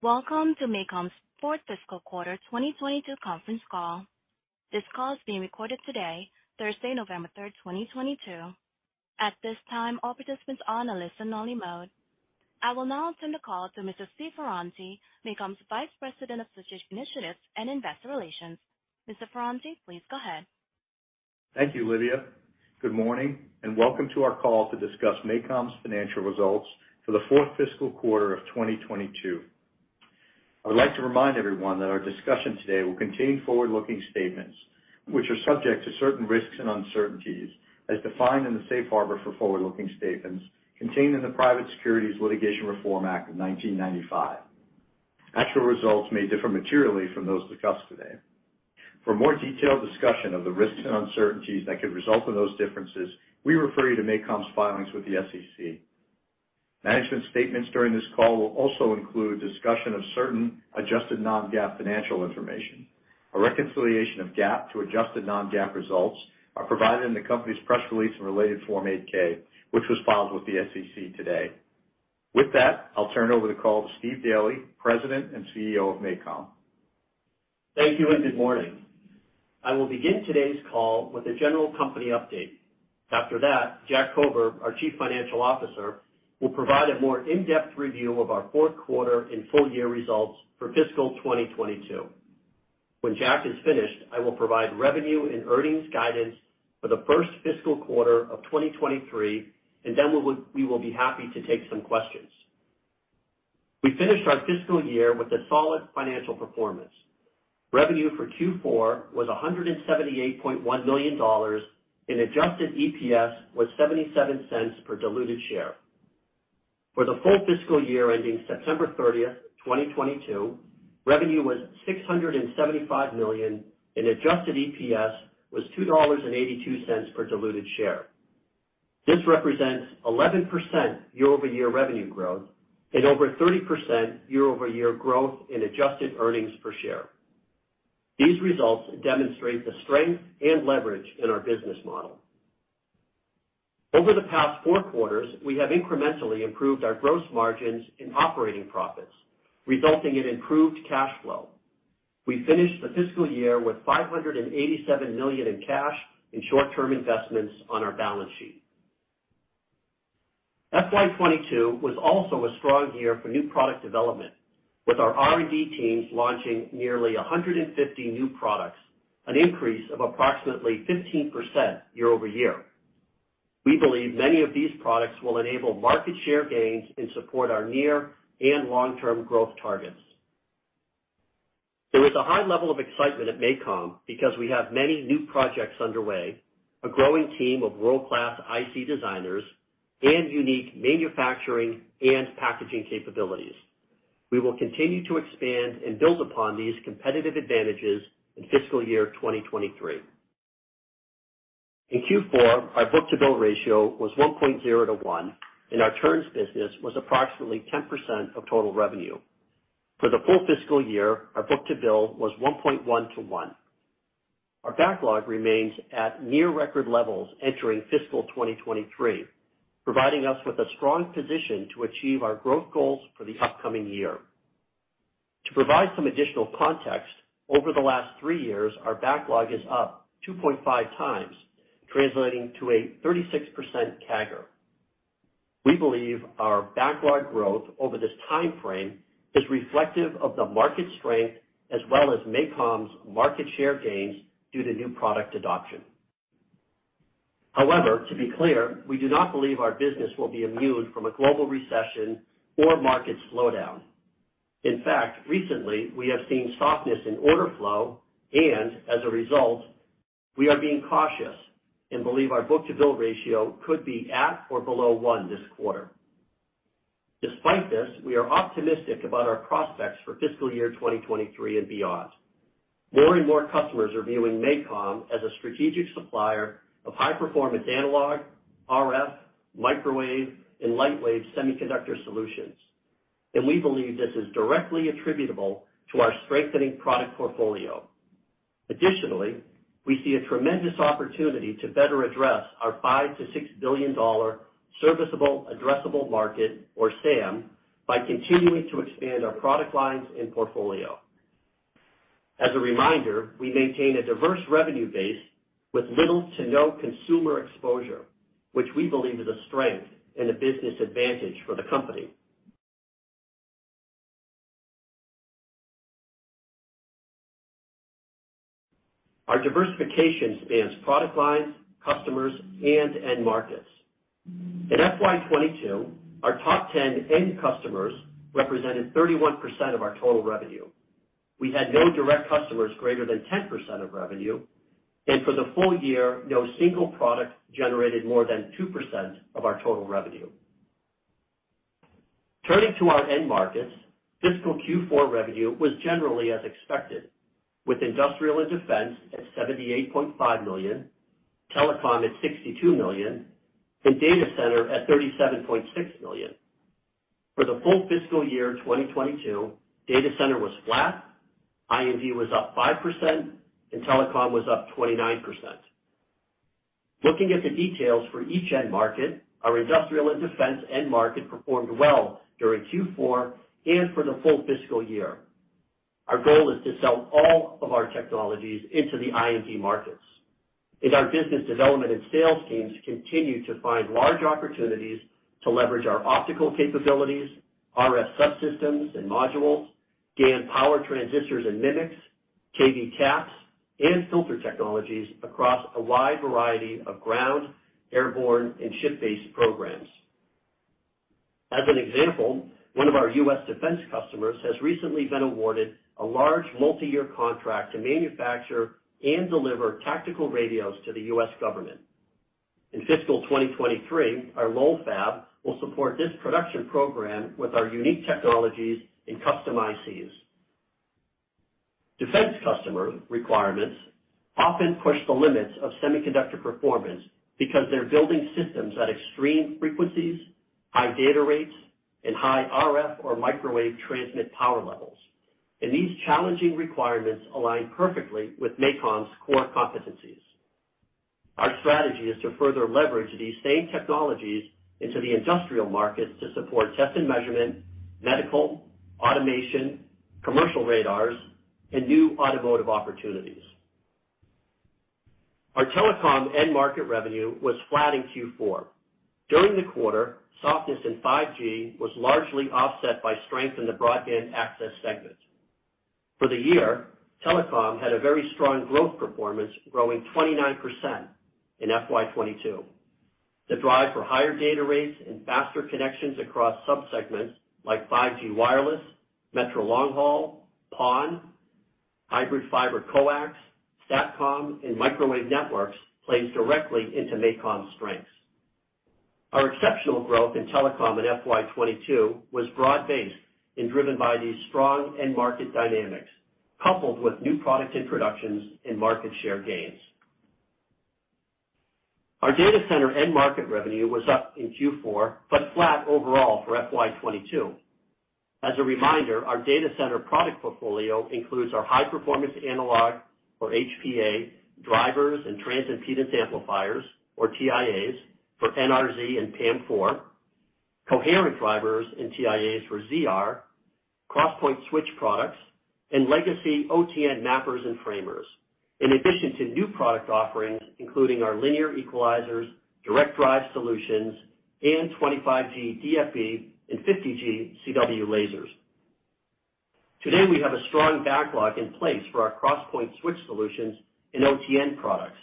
Welcome to MACOM's fourth fiscal quarter 2022 conference call. This call is being recorded today, Thursday, November 3rd, 2022. At this time, all participants are in a listen-only mode. I will now turn the call over to Mr. Stephen Ferranti, MACOM's Vice President of Strategic Initiatives and Investor Relations. Mr. Ferranti, please go ahead. Thank you, Lydia. Good morning and welcome to our call to discuss MACOM's financial results for the fourth fiscal quarter of 2022. I would like to remind everyone that our discussion today will contain forward-looking statements, which are subject to certain risks and uncertainties as defined in the safe harbor for forward-looking statements contained in the Private Securities Litigation Reform Act of 1995. Actual results may differ materially from those discussed today. For more detailed discussion of the risks and uncertainties that could result in those differences, we refer you to MACOM's filings with the SEC. Management statements during this call will also include discussion of certain adjusted non-GAAP financial information. A reconciliation of GAAP to adjusted non-GAAP results are provided in the company's press release and related Form 8-K, which was filed with the SEC today. With that, I'll turn over the call to Steve Daly, President and CEO of MACOM. Thank you and good morning. I will begin today's call with a general company update. After that, Jack Kober, our Chief Financial Officer, will provide a more in-depth review of our fourth quarter and full year results for fiscal 2022. When Jack is finished, I will provide revenue and earnings guidance for the first fiscal quarter of 2023, and then we will be happy to take some questions. We finished our fiscal year with a solid financial performance. Revenue for Q4 was $178.1 million and adjusted EPS was $0.77 per diluted share. For the full fiscal year ending September 30th, 2022, revenue was $675 million, and adjusted EPS was $2.82 per diluted share. This represents 11% year-over-year revenue growth and over 30% year-over-year growth in adjusted earnings per share. These results demonstrate the strength and leverage in our business model. Over the past four quarters, we have incrementally improved our gross margins and operating profits, resulting in improved cash flow. We finished the fiscal year with $587 million in cash and short-term investments on our balance sheet. FY 2022 was also a strong year for new product development, with our R&D teams launching nearly 150 new products, an increase of approximately 15% year-over-year. We believe many of these products will enable market share gains and support our near and long-term growth targets. There is a high level of excitement at MACOM because we have many new projects underway, a growing team of world-class IC designers, and unique manufacturing and packaging capabilities. We will continue to expand and build upon these competitive advantages in fiscal year 2023. In Q4, our book-to-bill ratio was 1.0-to-1, and our turns business was approximately 10% of total revenue. For the full fiscal year, our book-to-bill was 1.1-to-1. Our backlog remains at near record levels entering fiscal 2023, providing us with a strong position to achieve our growth goals for the upcoming year. To provide some additional context, over the last three years, our backlog is up 2.5x, translating to a 36% CAGR. We believe our backlog growth over this time frame is reflective of the market strength as well as MACOM's market share gains due to new product adoption. However, to be clear, we do not believe our business will be immune from a global recession or market slowdown. In fact, recently we have seen softness in order flow, and as a result, we are being cautious and believe our book-to-bill ratio could be at or below one this quarter. Despite this, we are optimistic about our prospects for fiscal year 2023 and beyond. More and more customers are viewing MACOM as a strategic supplier of high-performance analog, RF, microwave, and lightwave semiconductor solutions, and we believe this is directly attributable to our strengthening product portfolio. Additionally, we see a tremendous opportunity to better address our $5 billion-$6 billion serviceable addressable market, or SAM, by continuing to expand our product lines and portfolio. As a reminder, we maintain a diverse revenue base with little to no consumer exposure, which we believe is a strength and a business advantage for the company. Our diversification spans product lines, customers, and end markets. In FY 2022, our top ten end customers represented 31% of our total revenue. We had no direct customers greater than 10% of revenue, and for the full year, no single product generated more than 2% of our total revenue. Turning to our end markets, fiscal Q4 revenue was generally as expected, with industrial and defense at $78.5 million, telecom at $62 million, and data center at $37.6 million. For the full fiscal year 2022, data center was flat, I&D was up 5%, and telecom was up 29%. Looking at the details for each end market, our industrial and defense end market performed well during Q4 and for the full fiscal year. Our goal is to sell all of our technologies into the I&D markets as our business development and sales teams continue to find large opportunities to leverage our optical capabilities, RF subsystems and modules, GaN power transistors and MMICs, KV CAPS, and filter technologies across a wide variety of ground, airborne, and ship-based programs. As an example, one of our U.S. defense customers has recently been awarded a large multi-year contract to manufacture and deliver tactical radios to the U.S. government. In fiscal 2023, our Lowell fab will support this production program with our unique technologies and custom ICs. Defense customer requirements often push the limits of semiconductor performance because they're building systems at extreme frequencies, high data rates, and high RF or microwave transmit power levels. These challenging requirements align perfectly with MACOM's core competencies. Our strategy is to further leverage these same technologies into the industrial markets to support test and measurement, medical, automation, commercial radars, and new automotive opportunities. Our telecom end market revenue was flat in Q4. During the quarter, softness in 5G was largely offset by strength in the broadband access segment. For the year, telecom had a very strong growth performance, growing 29% in FY 2022. The drive for higher data rates and faster connections across sub-segments like 5G wireless, metro long haul, PON, hybrid fiber coax, SATCOM, and microwave networks plays directly into MACOM's strengths. Our exceptional growth in telecom in FY 2022 was broad-based and driven by these strong end market dynamics, coupled with new product introductions and market share gains. Our data center end market revenue was up in Q4, but flat overall for FY 2022. As a reminder, our data center product portfolio includes our high-performance analog, or HPA, drivers and transimpedance amplifiers, or TIAs, for NRZ and PAM4, coherent drivers and TIAs for ZR, crosspoint switch products, and legacy OTN mappers and framers, in addition to new product offerings, including our linear equalizers, direct drive solutions, and 25 G DFB and 50 G CW lasers. Today, we have a strong backlog in place for our crosspoint switch solutions and OTN products,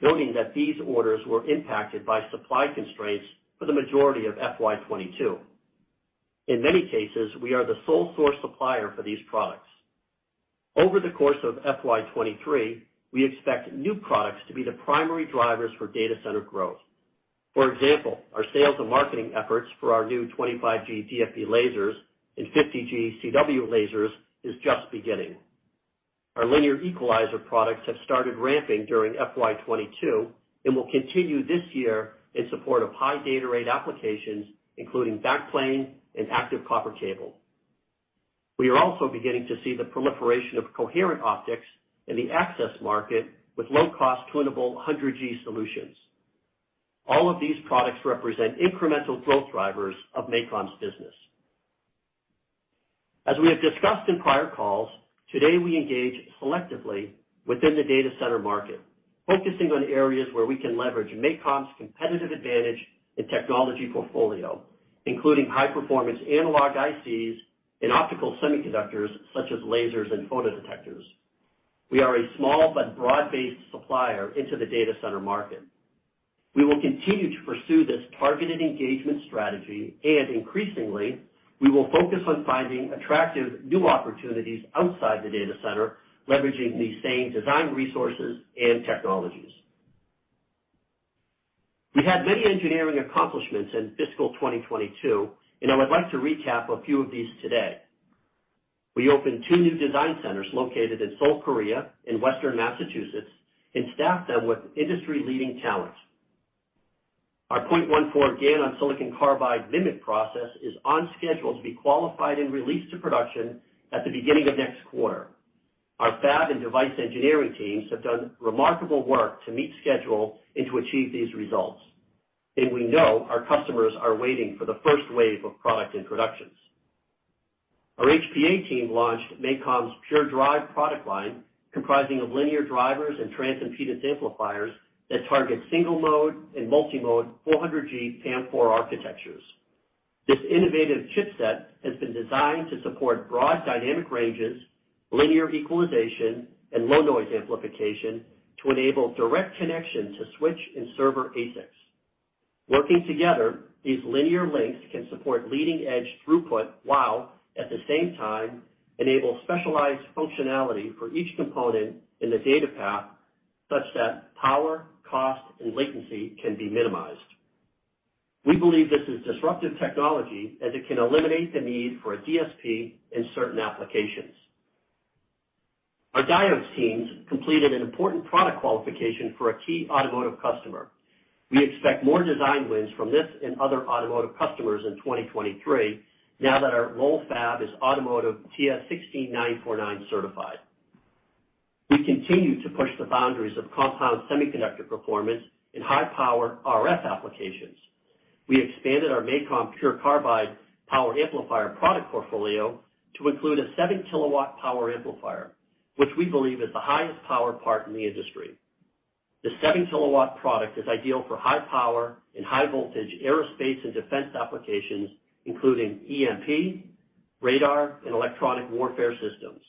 noting that these orders were impacted by supply constraints for the majority of FY 2022. In many cases, we are the sole source supplier for these products. Over the course of FY 2023, we expect new products to be the primary drivers for data center growth. For example, our sales and marketing efforts for our new 25 G DFB lasers and 50 G CW lasers is just beginning. Our linear equalizer products have started ramping during FY 2022 and will continue this year in support of high data rate applications, including backplane and active copper cable. We are also beginning to see the proliferation of coherent optics in the access market with low-cost tunable 100G solutions. All of these products represent incremental growth drivers of MACOM's business. As we have discussed in prior calls, today, we engage selectively within the data center market, focusing on areas where we can leverage MACOM's competitive advantage and technology portfolio, including high-performance analog ICs and optical semiconductors, such as lasers and photodetectors. We are a small but broad-based supplier into the data center market. We will continue to pursue this targeted engagement strategy, and increasingly, we will focus on finding attractive new opportunities outside the data center, leveraging these same design resources and technologies. We had many engineering accomplishments in fiscal 2022, and I would like to recap a few of these today. We opened two new design centers located in Seoul, Korea, and Western Massachusetts and staffed them with industry-leading talent. Our 0.14 GaN on silicon carbide MMIC process is on schedule to be qualified and released to production at the beginning of next quarter. Our fab and device engineering teams have done remarkable work to meet schedule and to achieve these results, and we know our customers are waiting for the first wave of product introductions. Our HPA team launched MACOM's PURE DRIVE product line, comprising of linear drivers and transimpedance amplifiers that target single-mode and multi-mode 400G PAM4 architectures. This innovative chipset has been designed to support broad dynamic ranges, linear equalization, and low noise amplification to enable direct connection to switch and server ASICs. Working together, these linear links can support leading-edge throughput, while at the same time enable specialized functionality for each component in the data path such that power, cost, and latency can be minimized. We believe this is disruptive technology as it can eliminate the need for a DSP in certain applications. Our diodes teams completed an important product qualification for a key automotive customer. We expect more design wins from this and other automotive customers in 2023 now that our Lowell fab is IATF 16949 certified. We continue to push the boundaries of compound semiconductor performance in high-power RF applications. We expanded our MACOM PURE CARBIDE power amplifier product portfolio to include a 7-kilowatt power amplifier, which we believe is the highest power part in the industry. The 7 kW product is ideal for high power and high voltage aerospace and defense applications, including EMP, radar, and electronic warfare systems.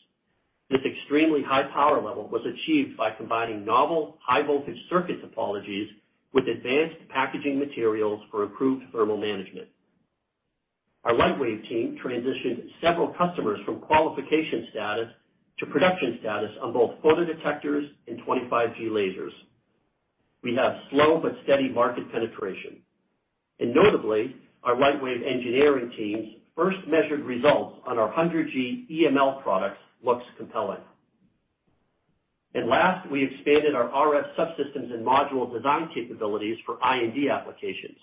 This extremely high power level was achieved by combining novel high voltage circuit topologies with advanced packaging materials for improved thermal management. Our Lightwave team transitioned several customers from qualification status to production status on both photodetectors and 25G lasers. We have slow but steady market penetration. Notably, our Lightwave engineering teams first measured results on our 100G EML products looks compelling. Last, we expanded our RF subsystems and module design capabilities for I&D applications.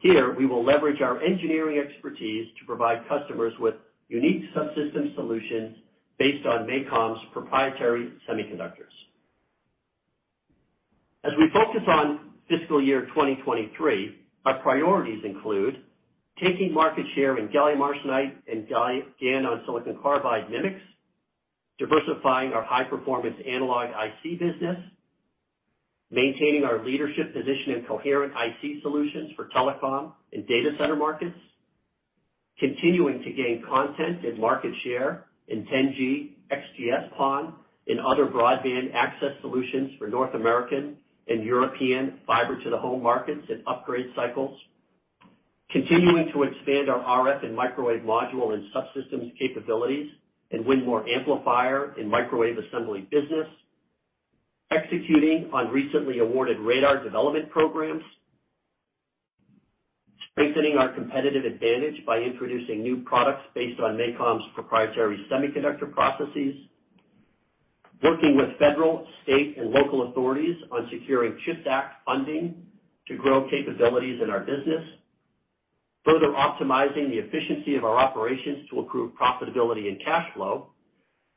Here, we will leverage our engineering expertise to provide customers with unique subsystem solutions based on MACOM's proprietary semiconductors. As we focus on fiscal year 2023, our priorities include taking market share in gallium arsenide and GaN on silicon carbide MMICs, diversifying our high-performance analog IC business, maintaining our leadership position in coherent IC solutions for telecom and data center markets, continuing to gain content and market share in 10G XGS-PON and other broadband access solutions for North American and European fiber to the home markets and upgrade cycles, continuing to expand our RF and microwave module and subsystems capabilities and win more amplifier in microwave assembly business, executing on recently awarded radar development programs, strengthening our competitive advantage by introducing new products based on MACOM's proprietary semiconductor processes, working with federal, state, and local authorities on securing CHIPS Act funding to grow capabilities in our business. Further optimizing the efficiency of our operations to improve profitability and cash flow,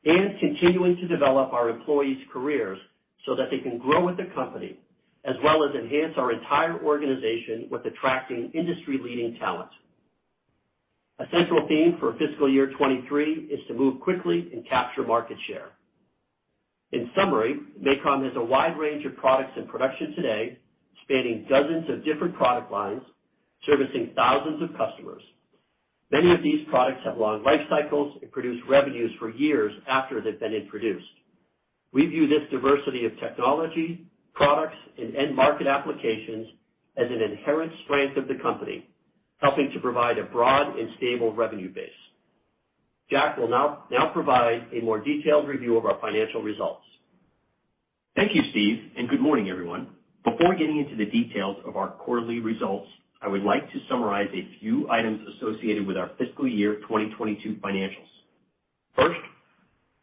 and continuing to develop our employees' careers so that they can grow with the company as well as enhance our entire organization with attracting industry-leading talent. A central theme for fiscal year 2023 is to move quickly and capture market share. In summary, MACOM has a wide range of products in production today, spanning dozens of different product lines, servicing thousands of customers. Many of these products have long life cycles and produce revenues for years after they've been introduced. We view this diversity of technology, products, and end market applications as an inherent strength of the company, helping to provide a broad and stable revenue base. Jack will now provide a more detailed review of our financial results. Thank you, Steve, and good morning, everyone. Before getting into the details of our quarterly results, I would like to summarize a few items associated with our fiscal year 2022 financials. First,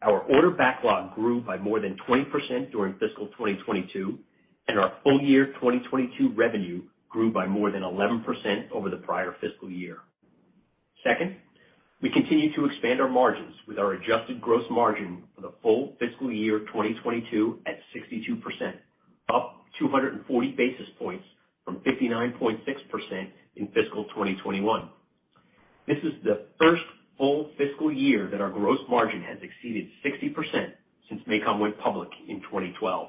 our order backlog grew by more than 20% during fiscal 2022, and our full year 2022 revenue grew by more than 11% over the prior fiscal year. Second, we continue to expand our margins with our adjusted gross margin for the full fiscal year of 2022 at 62%, up 240 basis points from 59.6% in fiscal 2021. This is the first full fiscal year that our gross margin has exceeded 60% since MACOM went public in 2012.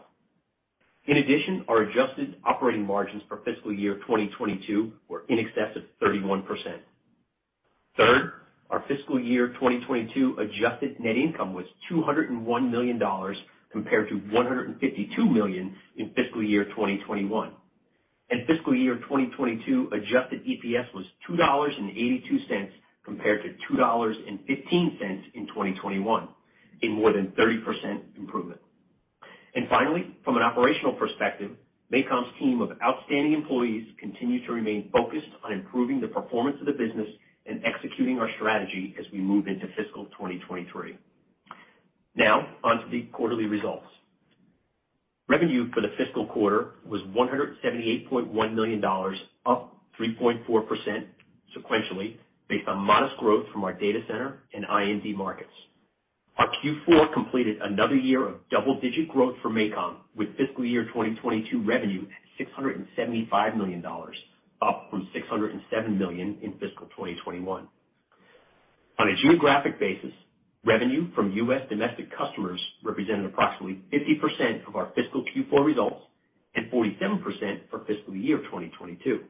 In addition, our adjusted operating margins for fiscal year 2022 were in excess of 31%. Third, our fiscal year 2022 adjusted net income was $201 million compared to $152 million in fiscal year 2021. Fiscal year 2022 adjusted EPS was $2.82 compared to $2.15 in 2021, a more than 30% improvement. Finally, from an operational perspective, MACOM's team of outstanding employees continue to remain focused on improving the performance of the business and executing our strategy as we move into fiscal 2023. Now onto the quarterly results. Revenue for the fiscal quarter was $178.1 million, up 3.4% sequentially based on modest growth from our data center and I&D markets. Our Q4 completed another year of double-digit growth for MACOM, with fiscal year 2022 revenue at $675 million, up from $607 million in fiscal 2021. On a geographic basis, revenue from U.S. domestic customers represented approximately 50% of our fiscal Q4 results and 47% for fiscal year 2022,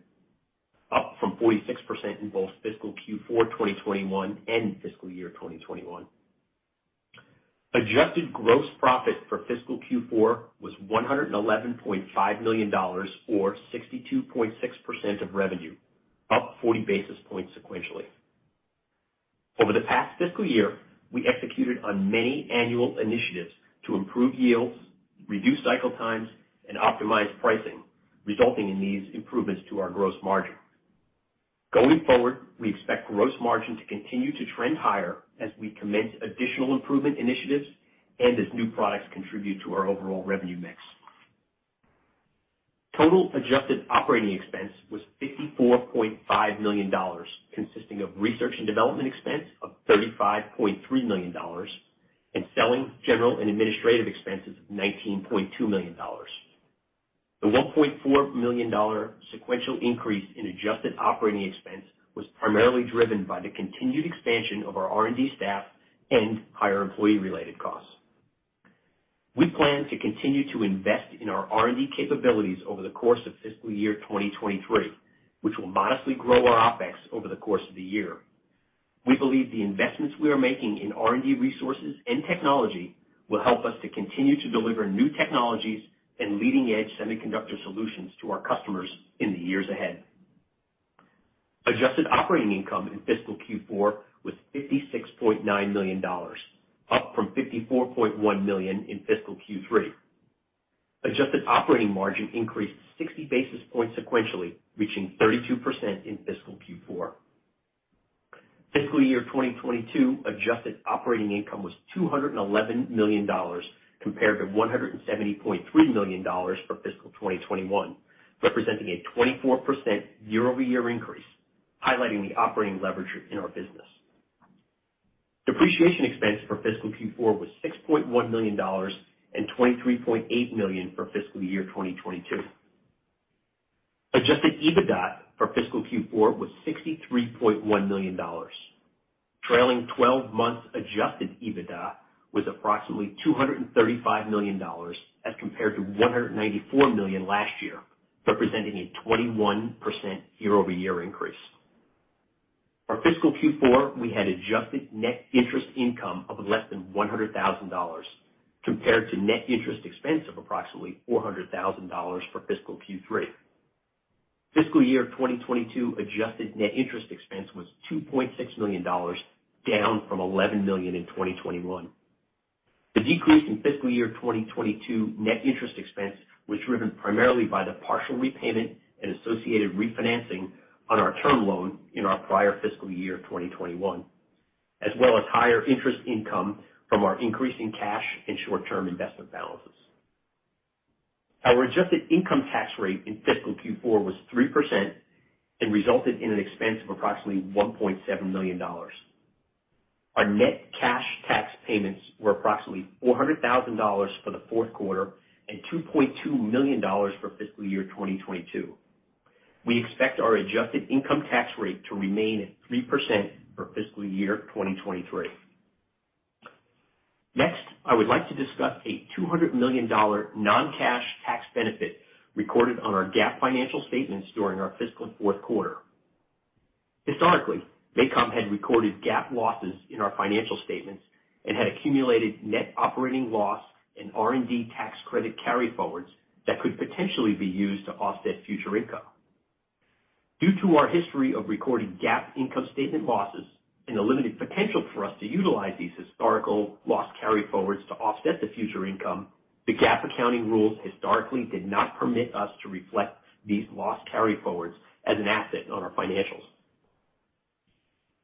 up from 46% in both fiscal Q4 2021 and fiscal year 2021. Adjusted gross profit for fiscal Q4 was $111.5 million or 62.6% of revenue, up 40 basis points sequentially. Over the past fiscal year, we executed on many annual initiatives to improve yields, reduce cycle times, and optimize pricing, resulting in these improvements to our gross margin. Going forward, we expect gross margin to continue to trend higher as we commence additional improvement initiatives and as new products contribute to our overall revenue mix. Total adjusted operating expense was $54.5 million, consisting of research and development expense of $35.3 million and selling, general, and administrative expenses of $19.2 million. The $1.4 million sequential increase in adjusted operating expense was primarily driven by the continued expansion of our R&D staff and higher employee-related costs. We plan to continue to invest in our R&D capabilities over the course of fiscal year 2023, which will modestly grow our OpEx over the course of the year. We believe the investments we are making in R&D resources and technology will help us to continue to deliver new technologies and leading-edge semiconductor solutions to our customers in the years ahead. Adjusted operating income in fiscal Q4 was $56.9 million, up from $54.1 million in fiscal Q3. Adjusted operating margin increased 60 basis points sequentially, reaching 32% in fiscal Q4. Fiscal year 2022 adjusted operating income was $211 million, compared to $170.3 million for fiscal 2021, representing a 24% year-over-year increase, highlighting the operating leverage in our business. Depreciation expense for fiscal Q4 was $6.1 million and $23.8 million for fiscal year 2022. Adjusted EBITDA for fiscal Q4 was $63.1 million. Trailing 12 months adjusted EBITDA was approximately $235 million as compared to $194 million last year, representing a 21% year-over-year increase. For fiscal Q4, we had adjusted net interest income of less than $100,000 compared to net interest expense of approximately $400,000 for fiscal Q3. Fiscal year 2022 adjusted net interest expense was $2.6 million, down from $11 million in 2021. The decrease in fiscal year 2022 net interest expense was driven primarily by the partial repayment and associated refinancing on our term loan in our prior fiscal year of 2021, as well as higher interest income from our increasing cash and short-term investment balances. Our adjusted income tax rate in fiscal Q4 was 3% and resulted in an expense of approximately $1.7 million. Our net cash tax payments were approximately $400,000 for the fourth quarter and $2.2 million for fiscal year 2022. We expect our adjusted income tax rate to remain at 3% for fiscal year 2023. Next, I would like to discuss a $200 million non-cash tax benefit recorded on our GAAP financial statements during our fiscal fourth quarter. Historically, MACOM had recorded GAAP losses in our financial statements and had accumulated net operating loss and R&D tax credit carryforwards that could potentially be used to offset future income. Due to our history of recording GAAP income statement losses and the limited potential for us to utilize these historical loss carryforwards to offset the future income, the GAAP accounting rules historically did not permit us to reflect these loss carryforwards as an asset on our financials.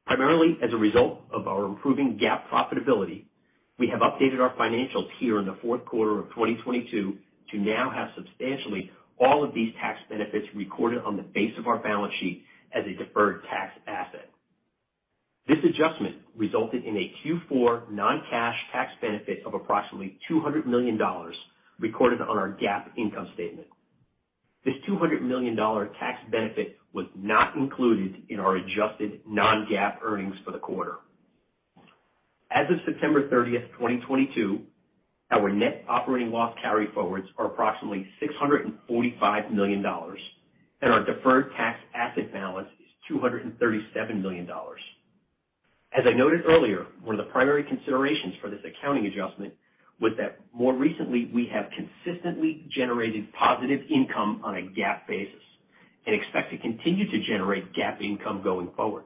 Primarily as a result of our improving GAAP profitability, we have updated our financials here in the fourth quarter of 2022 to now have substantially all of these tax benefits recorded on the face of our balance sheet as a deferred tax asset. This adjustment resulted in a Q4 non-cash tax benefit of approximately $200 million recorded on our GAAP income statement. This $200 million tax benefit was not included in our adjusted non-GAAP earnings for the quarter. As of September 30th, 2022, our net operating loss carryforwards are approximately $645 million, and our deferred tax asset balance is $237 million. As I noted earlier, one of the primary considerations for this accounting adjustment was that more recently, we have consistently generated positive income on a GAAP basis and expect to continue to generate GAAP income going forward.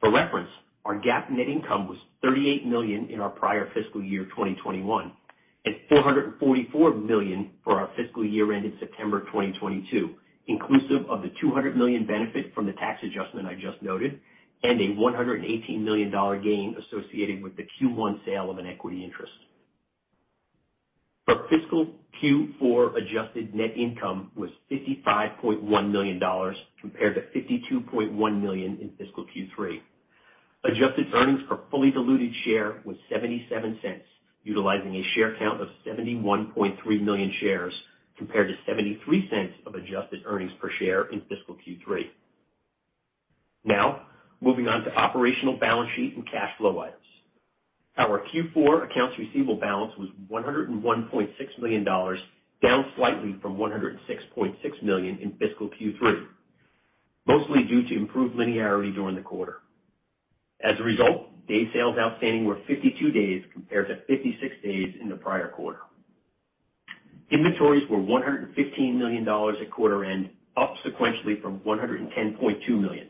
For reference, our GAAP net income was $38 million in our prior fiscal year, 2021, and $444 million for our fiscal year ended September 2022, inclusive of the $200 million benefit from the tax adjustment I just noted, and a $118 million gain associated with the Q1 sale of an equity interest. For fiscal Q4, adjusted net income was $55.1 million compared to $52.1 million in fiscal Q3. Adjusted earnings per fully diluted share was $0.77, utilizing a share count of 71.3 million shares, compared to $0.73 of adjusted earnings per share in fiscal Q3. Now, moving on to operational balance sheet and cash flow items. Our Q4 accounts receivable balance was $101.6 million, down slightly from $106.6 million in fiscal Q3, mostly due to improved linearity during the quarter. As a result, days sales outstanding were 52 days compared to 56 days in the prior quarter. Inventories were $115 million at quarter end, up sequentially from $110.2 million.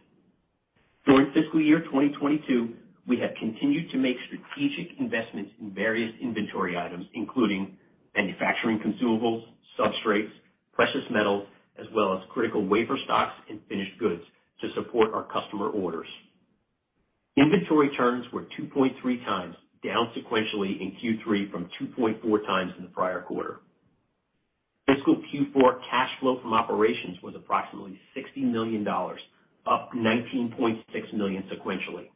During fiscal year 2022, we have continued to make strategic investments in various inventory items, including manufacturing consumables, substrates, precious metals, as well as critical wafer stocks and finished goods to support our customer orders. Inventory turns were 2.3x, down sequentially in Q3 from 2.4x in the prior quarter. Fiscal Q4 cash flow from operations was approximately $60 million, up $19.6 million sequentially.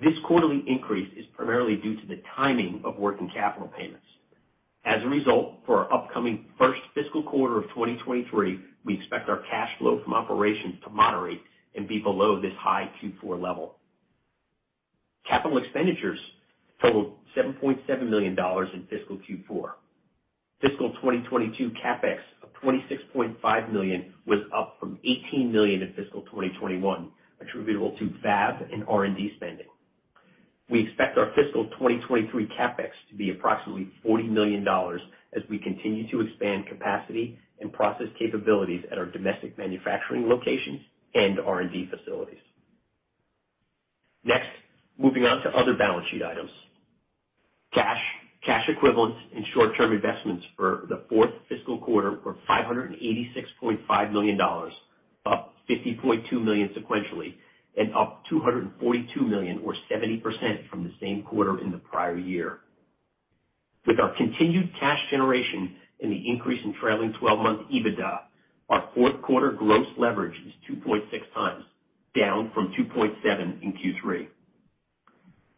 This quarterly increase is primarily due to the timing of working capital payments. As a result, for our upcoming first fiscal quarter of 2023, we expect our cash flow from operations to moderate and be below this high Q4 level. Capital expenditures totaled $7.7 million in fiscal Q4. Fiscal 2022 CapEx of $26.5 million was up from $18 million in fiscal 2021, attributable to fab and R&D spending. We expect our fiscal 2023 CapEx to be approximately $40 million as we continue to expand capacity and process capabilities at our domestic manufacturing locations and R&D facilities. Next, moving on to other balance sheet items. Cash, cash equivalents, and short-term investments for the fourth fiscal quarter were $586.5 million, up $50.2 million sequentially, and up $242 million or 70% from the same quarter in the prior year. With our continued cash generation and the increase in trailing twelve-month EBITDA, our fourth quarter gross leverage is 2.6x, down from 2.7x in Q3.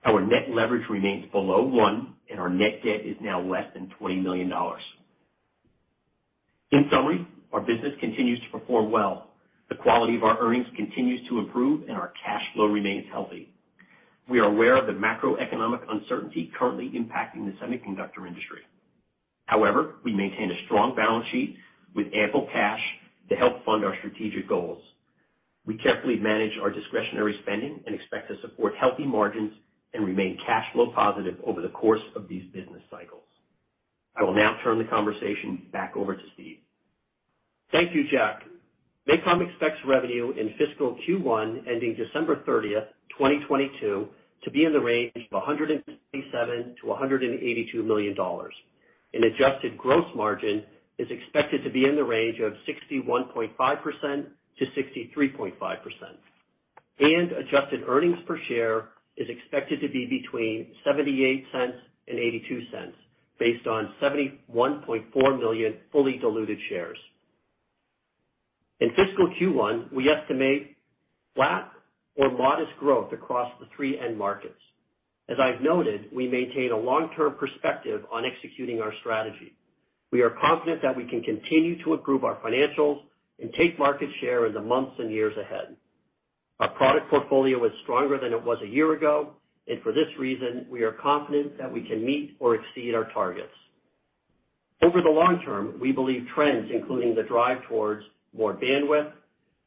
Our net leverage remains below one, and our net debt is now less than $20 million. In summary, our business continues to perform well. The quality of our earnings continues to improve, and our cash flow remains healthy. We are aware of the macroeconomic uncertainty currently impacting the semiconductor industry. However, we maintain a strong balance sheet with ample cash to help fund our strategic goals. We carefully manage our discretionary spending and expect to support healthy margins and remain cash flow positive over the course of these business cycles. I will now turn the conversation back over to Steve. Thank you, Jack. MACOM expects revenue in fiscal Q1 ending December 30th, 2022 to be in the range of $167 million-$182 million, and adjusted gross margin is expected to be in the range of 61.5%-63.5%. Adjusted earnings per share is expected to be between $0.78 and $0.82 based on 71.4 million fully diluted shares. In fiscal Q1, we estimate flat or modest growth across the three end markets. As I've noted, we maintain a long-term perspective on executing our strategy. We are confident that we can continue to improve our financials and take market share in the months and years ahead. Our product portfolio is stronger than it was a year ago, and for this reason, we are confident that we can meet or exceed our targets. Over the long term, we believe trends including the drive towards more bandwidth,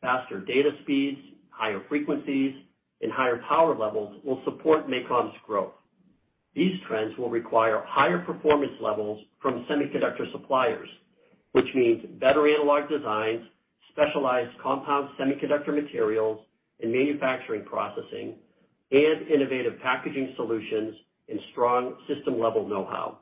faster data speeds, higher frequencies, and higher power levels will support MACOM's growth. These trends will require higher performance levels from semiconductor suppliers, which means better analog designs, specialized compound semiconductor materials and manufacturing processing, and innovative packaging solutions and strong system-level know-how.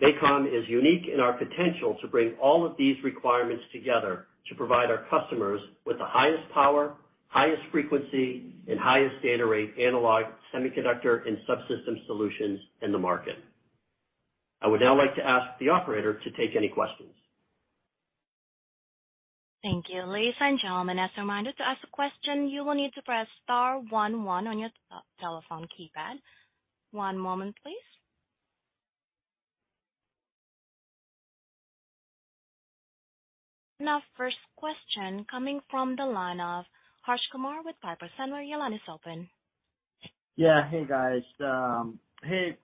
MACOM is unique in our potential to bring all of these requirements together to provide our customers with the highest power, highest frequency, and highest data rate analog semiconductor and subsystem solutions in the market. I would now like to ask the operator to take any questions. Thank you. Ladies and gentlemen, as a reminder, to ask a question, you will need to press star one one on your telephone keypad. One moment, please. Now, first question coming from the line of Harsh Kumar with Piper Sandler. Your line is open. Yeah. Hey, guys. Hey,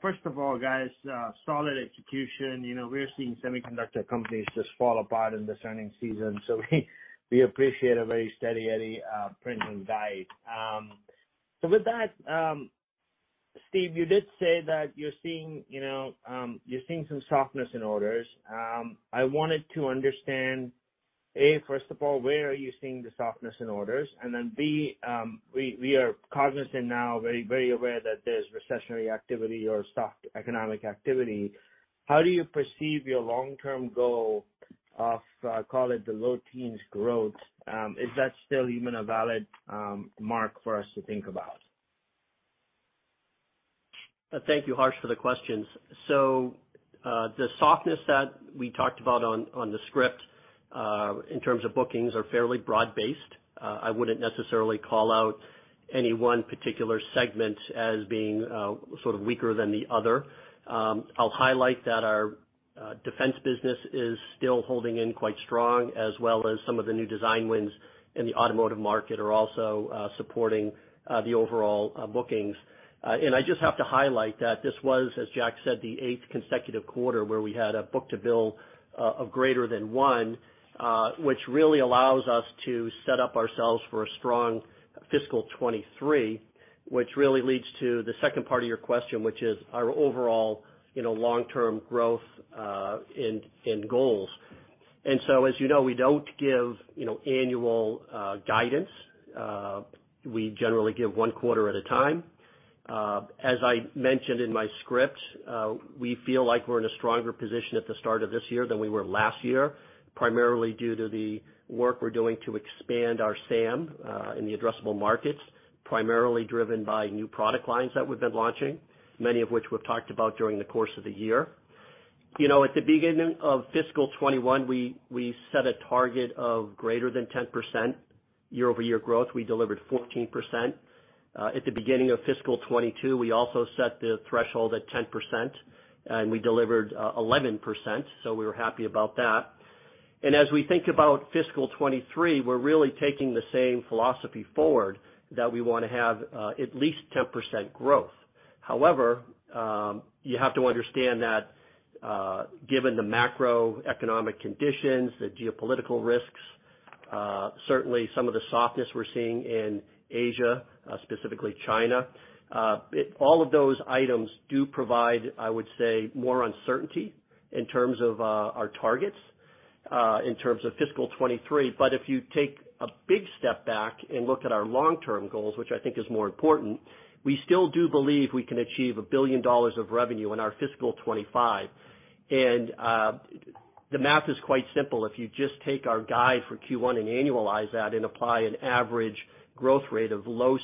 first of all, guys, solid execution. You know, we're seeing semiconductor companies just fall apart in this earnings season, so we appreciate a very steady Eddie printing guide. With that, Steve, you did say that you're seeing, you know, you're seeing some softness in orders. I wanted to understand, A, first of all, where are you seeing the softness in orders? Then, B, we are cognizant now, very, very aware that there's recessionary activity or soft economic activity. How do you perceive your long-term goal of, call it the low teens growth? Is that still even a valid mark for us to think about? Thank you, Harsh, for the questions. The softness that we talked about on the script in terms of bookings are fairly broad-based. I wouldn't necessarily call out any one particular segment as being sort of weaker than the other. I'll highlight that our defense business is still holding in quite strong, as well as some of the new design wins in the automotive market are also supporting the overall bookings. I just have to highlight that this was, as Jack said, the eighth consecutive quarter where we had a book-to-bill of greater than one, which really allows us to set up ourselves for a strong fiscal 2023, which really leads to the second part of your question, which is our overall, you know, long-term growth and goals. As you know, we don't give, you know, annual guidance. We generally give one quarter at a time. As I mentioned in my script, we feel like we're in a stronger position at the start of this year than we were last year, primarily due to the work we're doing to expand our SAM in the addressable markets, primarily driven by new product lines that we've been launching, many of which we've talked about during the course of the year. You know, at the beginning of fiscal 2021, we set a target of greater than 10% year-over-year growth. We delivered 14%. At the beginning of fiscal 2022, we also set the threshold at 10%, and we delivered 11%, so we were happy about that. As we think about fiscal 2023, we're really taking the same philosophy forward that we wanna have at least 10% growth. However, you have to understand that, given the macroeconomic conditions, the geopolitical risks, certainly some of the softness we're seeing in Asia, specifically China, all of those items do provide, I would say, more uncertainty in terms of our targets, in terms of fiscal 2023. If you take a big step back and look at our long-term goals, which I think is more important, we still do believe we can achieve $1 billion of revenue in our fiscal 2025. The math is quite simple. If you just take our guide for Q1 and annualize that and apply an average growth rate of low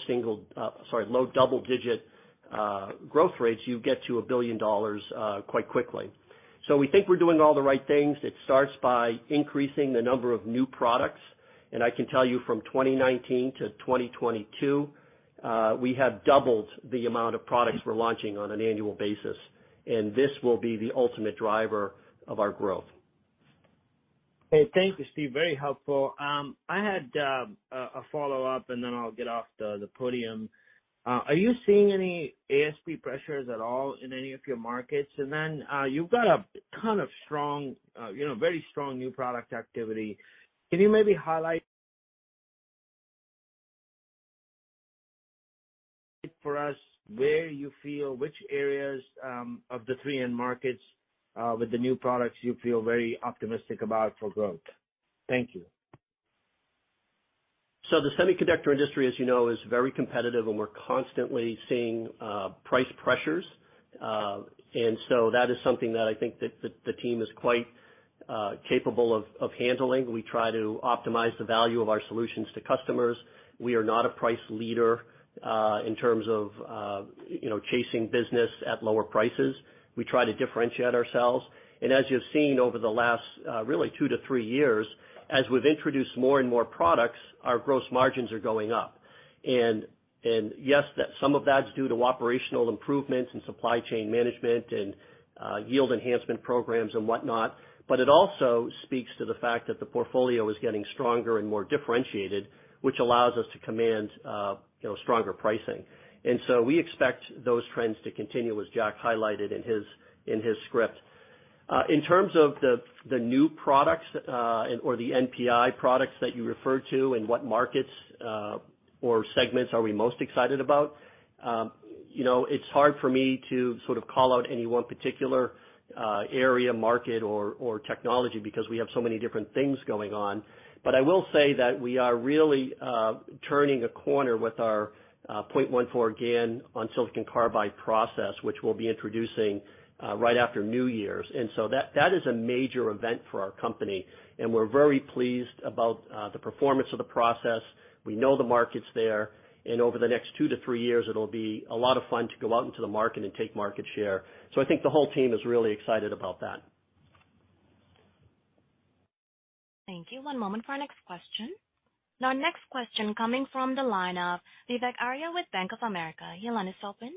double-digit growth rates, you get to $1 billion quite quickly. We think we're doing all the right things. It starts by increasing the number of new products. I can tell you from 2019 to 2022, we have doubled the amount of products we're launching on an annual basis, and this will be the ultimate driver of our growth. Okay. Thank you, Steve. Very helpful. I had a follow-up, and then I'll get off the podium. Are you seeing any ASP pressures at all in any of your markets? And then, you've got a kind of strong, very strong new product activity. Can you maybe highlight for us where you feel which areas of the three end markets with the new products you feel very optimistic about for growth? Thank you. The semiconductor industry, as you know, is very competitive, and we're constantly seeing price pressures. That is something that I think that the team is quite capable of handling. We try to optimize the value of our solutions to customers. We are not a price leader in terms of you know, chasing business at lower prices. We try to differentiate ourselves. As you've seen over the last really two to three years, as we've introduced more and more products, our gross margins are going up. Yes, some of that's due to operational improvements in supply chain management and yield enhancement programs and whatnot, but it also speaks to the fact that the portfolio is getting stronger and more differentiated, which allows us to command you know, stronger pricing. We expect those trends to continue, as Jack highlighted in his script. In terms of the new products and or the NPI products that you referred to and what markets or segments are we most excited about, you know, it's hard for me to sort of call out any one particular area, market or technology because we have so many different things going on. But I will say that we are really turning a corner with our 0.14 GaN on silicon carbide process, which we'll be introducing right after New Year's. That is a major event for our company, and we're very pleased about the performance of the process. We know the market's there, and over the next 2-3 years, it'll be a lot of fun to go out into the market and take market share. I think the whole team is really excited about that. Thank you. One moment for our next question. Our next question coming from the line of Vivek Arya with Bank of America. Your line is open.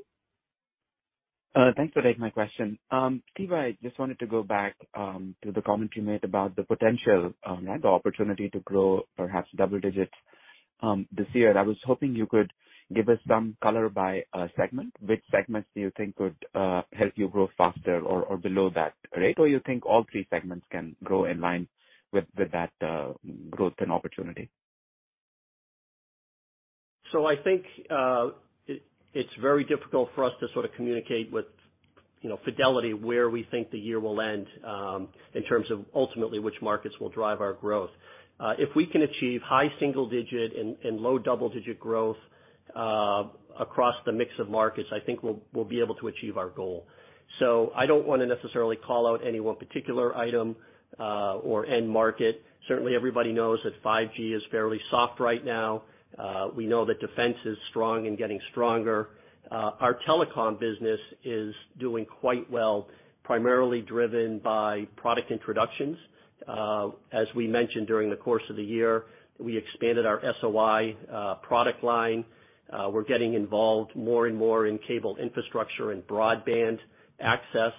Thanks for taking my question. Steve, I just wanted to go back to the comment you made about the potential and the opportunity to grow perhaps double digits this year. I was hoping you could give us some color by segment. Which segments do you think could help you grow faster or below that rate? Or you think all three segments can grow in line with that growth and opportunity? I think it's very difficult for us to sort of communicate with, you know, fidelity where we think the year will end in terms of ultimately which markets will drive our growth. If we can achieve high single-digit and low double-digit growth across the mix of markets, I think we'll be able to achieve our goal. I don't wanna necessarily call out any one particular item or end market. Certainly, everybody knows that 5G is fairly soft right now. We know that defense is strong and getting stronger. Our telecom business is doing quite well, primarily driven by product introductions. As we mentioned during the course of the year, we expanded our SOI product line. We're getting involved more and more in cable infrastructure and broadband access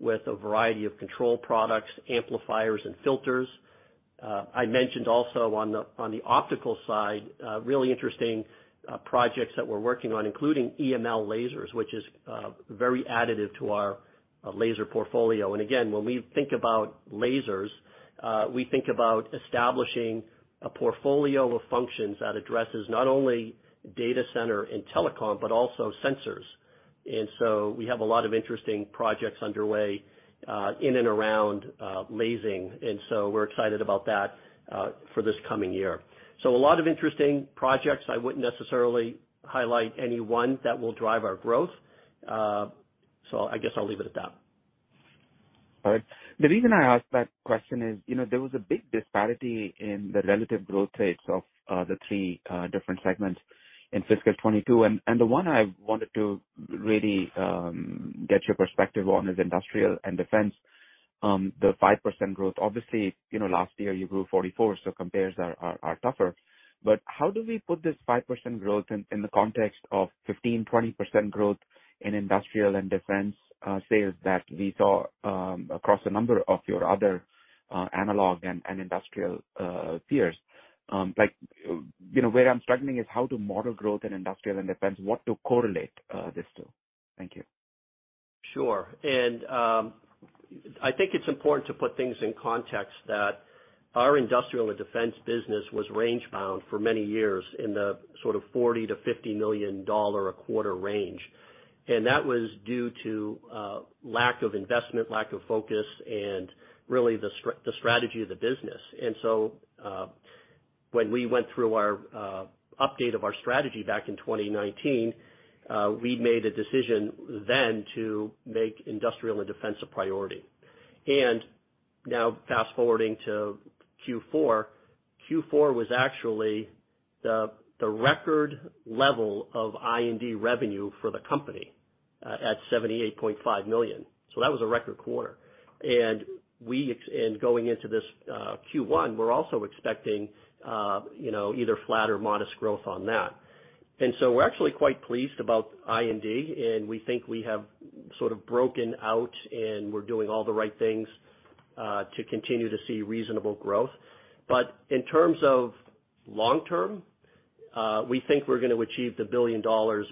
with a variety of control products, amplifiers, and filters. I mentioned also on the optical side, really interesting projects that we're working on, including EML lasers, which is very additive to our laser portfolio. Again, when we think about lasers, we think about establishing a portfolio of functions that addresses not only data center and telecom, but also sensors. We have a lot of interesting projects underway in and around lasing. We're excited about that for this coming year. A lot of interesting projects. I wouldn't necessarily highlight any one that will drive our growth. I guess I'll leave it at that. All right. The reason I asked that question is, you know, there was a big disparity in the relative growth rates of the three different segments in fiscal 2022. The one I wanted to really get your perspective on is industrial and defense. The 5% growth. Obviously, you know, last year you grew 44, so compares are tougher. How do we put this 5% growth in the context of 15%-20% growth in industrial and defense sales that we saw across a number of your other analog and industrial peers? Like, you know, where I'm struggling is how to model growth in industrial and defense, what to correlate this to. Thank you. Sure. I think it's important to put things in context that our industrial and defense business was range-bound for many years in the sort of $40 million-$50 million a quarter range. That was due to lack of investment, lack of focus, and really the strategy of the business. When we went through our update of our strategy back in 2019, we made a decision then to make industrial and defense a priority. Now fast-forwarding to Q4 was actually the record level of I&D revenue for the company at $78.5 million. That was a record quarter. Going into this Q1, we're also expecting you know, either flat or modest growth on that. We're actually quite pleased about IND, and we think we have sort of broken out, and we're doing all the right things to continue to see reasonable growth. In terms of long term, we think we're gonna achieve $1 billion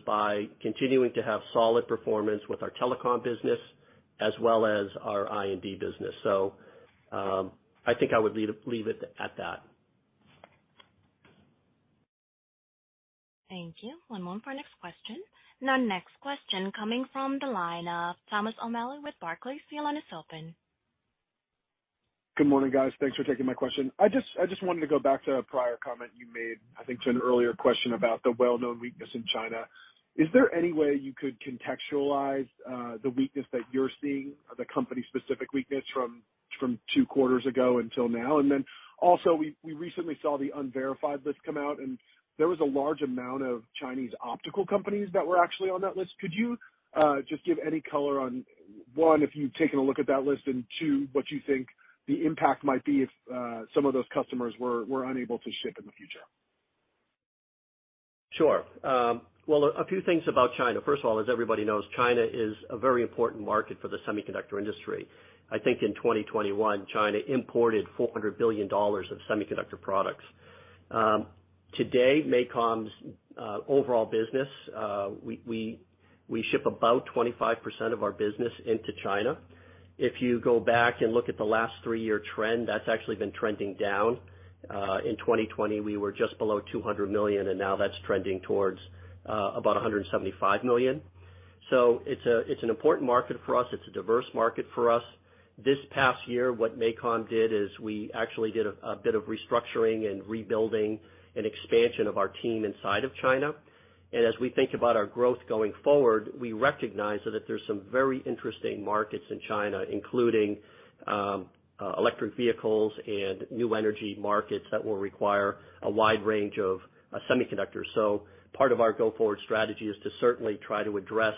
by continuing to have solid performance with our telecom business as well as our I&D business. I think I would leave it at that. Thank you. One moment for our next question. Now next question coming from the line of Thomas O'Malley with Barclays. Your line is open. Good morning, guys. Thanks for taking my question. I just wanted to go back to a prior comment you made, I think, to an earlier question about the well-known weakness in China. Is there any way you could contextualize the weakness that you're seeing, the company-specific weakness from two quarters ago until now? Then also, we recently saw the Entity List come out, and there was a large amount of Chinese optical companies that were actually on that list. Could you just give any color on, one, if you've taken a look at that list, and two, what you think the impact might be if some of those customers were unable to ship in the future? Sure. Well, a few things about China. First of all, as everybody knows, China is a very important market for the semiconductor industry. I think in 2021, China imported $400 billion of semiconductor products. Today, MACOM's overall business, we ship about 25% of our business into China. If you go back and look at the last three-year trend, that's actually been trending down. In 2020, we were just below $200 million, and now that's trending towards about $175 million. So it's an important market for us. It's a diverse market for us. This past year, what MACOM did is we actually did a bit of restructuring and rebuilding and expansion of our team inside of China. As we think about our growth going forward, we recognize that there's some very interesting markets in China, including electric vehicles and new energy markets that will require a wide range of semiconductors. Part of our go-forward strategy is to certainly try to address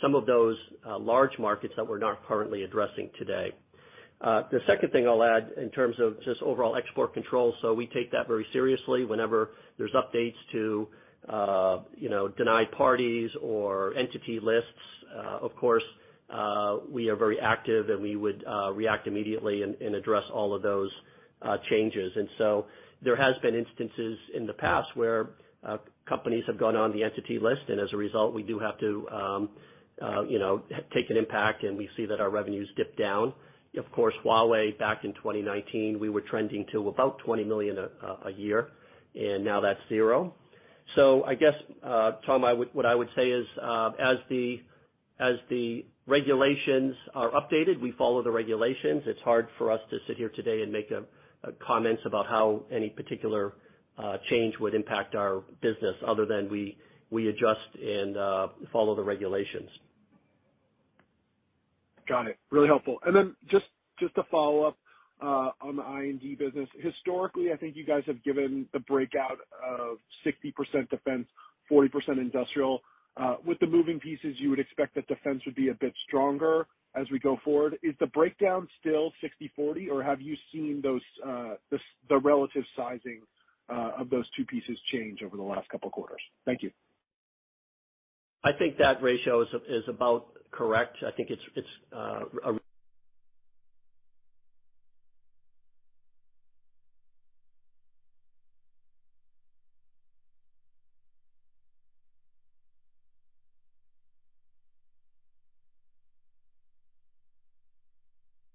some of those large markets that we're not currently addressing today. The second thing I'll add in terms of just overall export control, we take that very seriously. Whenever there's updates to you know, denied parties or entity lists, of course, we are very active, and we would react immediately and address all of those changes. There has been instances in the past where companies have gone on the entity list, and as a result, we do have to, you know, take an impact, and we see that our revenues dip down. Of course, Huawei back in 2019, we were trending to about $20 million a year, and now that's zero. I guess, Tom, what I would say is, as the regulations are updated, we follow the regulations. It's hard for us to sit here today and make comments about how any particular change would impact our business other than we adjust and follow the regulations. Got it. Really helpful. Just to follow up on the I&D business. Historically, I think you guys have given the breakdown of 60% defense, 40% industrial. With the moving pieces, you would expect that defense would be a bit stronger as we go forward. Is the breakdown still 60/40, or have you seen the relative sizing of those two pieces change over the last couple quarters? Thank you. I think that ratio is about correct. I think it's a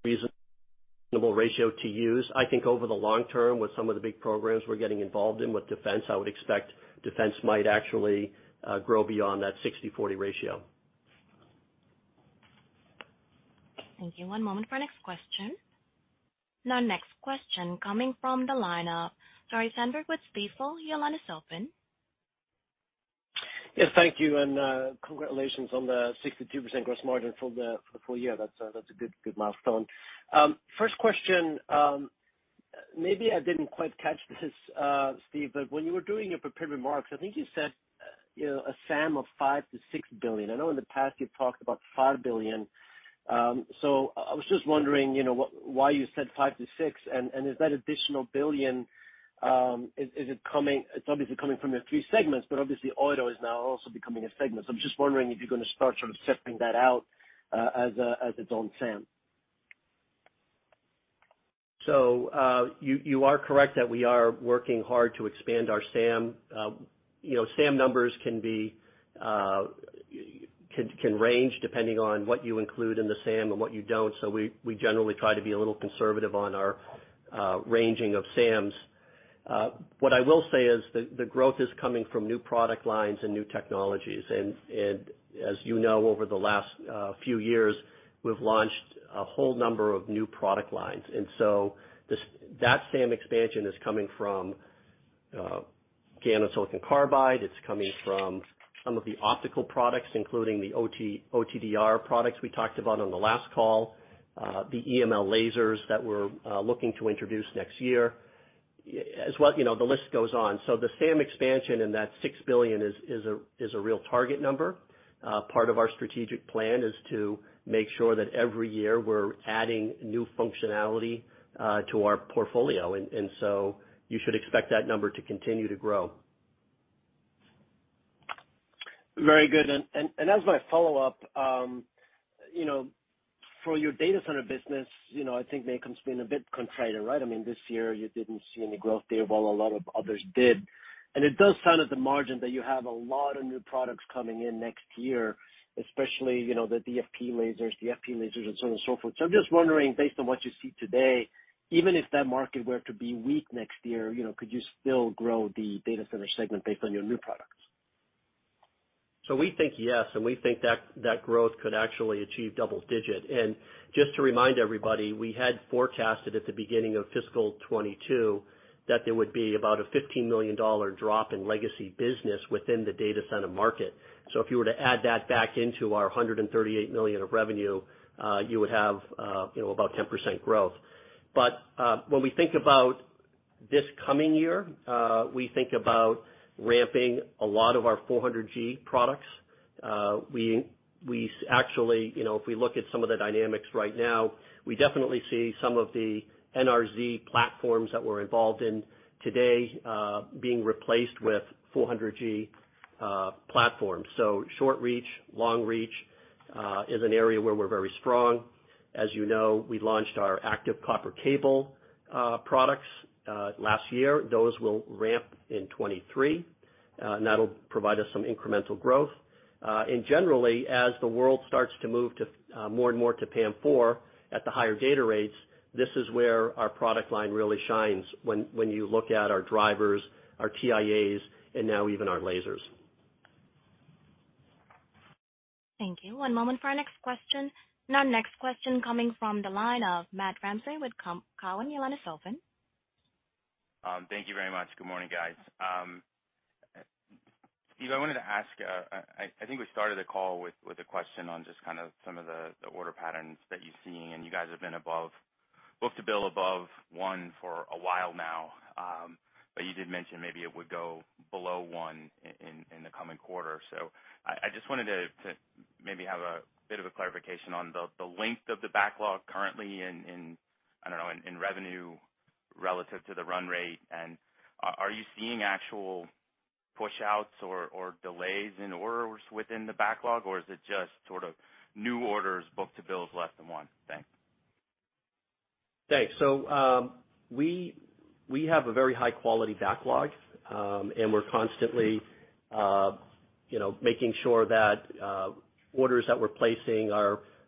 reasonable ratio to use. I think over the long term with some of the big programs we're getting involved in with defense, I would expect defense might actually grow beyond that 60/40 ratio. Thank you. One moment for next question. Now next question coming from the line of Tore Svanberg with Stifel. Your line is open. Yes, thank you, and congratulations on the 62% gross margin for the full year. That's a good milestone. First question, maybe I didn't quite catch this, Steve, but when you were doing your prepared remarks, I think you said, you know, a SAM of $5 billion-$6 billion. I know in the past you've talked about $5 billion. So I was just wondering, you know, why you said $5 billion-$6 billion, and is that additional billion, is it coming, it's obviously coming from the three segments, but obviously auto is now also becoming a segment. So I'm just wondering if you're gonna start sort of separating that out, as its own SAM. You are correct that we are working hard to expand our SAM. You know, SAM numbers can range depending on what you include in the SAM and what you don't. We generally try to be a little conservative on our ranging of SAMs. What I will say is the growth is coming from new product lines and new technologies. As you know, over the last few years, we've launched a whole number of new product lines. That same expansion is coming from GaN and silicon carbide. It's coming from some of the optical products, including the OTDR products we talked about on the last call, the EML lasers that we're looking to introduce next year. As well, you know, the list goes on. The SAM expansion in that $6 billion is a real target number. Part of our strategic plan is to make sure that every year we're adding new functionality to our portfolio. You should expect that number to continue to grow. Very good. As my follow-up, you know, for your data center business, you know, I think MACOM's been a bit contrarian, right? I mean, this year you didn't see any growth there while a lot of others did. It does sound at the margin that you have a lot of new products coming in next year, especially, you know, the DFB lasers, the FP lasers and so on and so forth. I'm just wondering, based on what you see today, even if that market were to be weak next year, you know, could you still grow the data center segment based on your new products? We think yes, and we think that growth could actually achieve double-digit. Just to remind everybody, we had forecasted at the beginning of fiscal 2022 that there would be about a $15 million drop in legacy business within the data center market. If you were to add that back into our $138 million of revenue, you would have, you know, about 10% growth. When we think about this coming year, we think about ramping a lot of our 400G products. We actually, you know, if we look at some of the dynamics right now, we definitely see some of the NRZ platforms that we're involved in today being replaced with 400G platforms. Short reach, long reach is an area where we're very strong. As you know, we launched our active copper cable products last year. Those will ramp in 2023, and that'll provide us some incremental growth. Generally, as the world starts to move to more and more to PAM4 at the higher data rates, this is where our product line really shines when you look at our drivers, our TIAs, and now even our lasers. Thank you. One moment for our next question. Now next question coming from the line of Matt Ramsay with Cowen. Your line is open. Thank you very much. Good morning, guys. Steve, I wanted to ask, I think we started the call with a question on just kind of some of the order patterns that you're seeing, and you guys have been above book-to-bill above one for a while now. You did mention maybe it would go below one in the coming quarter. I just wanted to maybe have a bit of a clarification on the length of the backlog currently, I don't know, in revenue relative to the run rate. Are you seeing actual pushouts or delays in orders within the backlog, or is it just sort of new orders book-to-bill is less than one? Thanks. Thanks. We have a very high-quality backlog, and we're constantly you know, making sure that orders that we're placing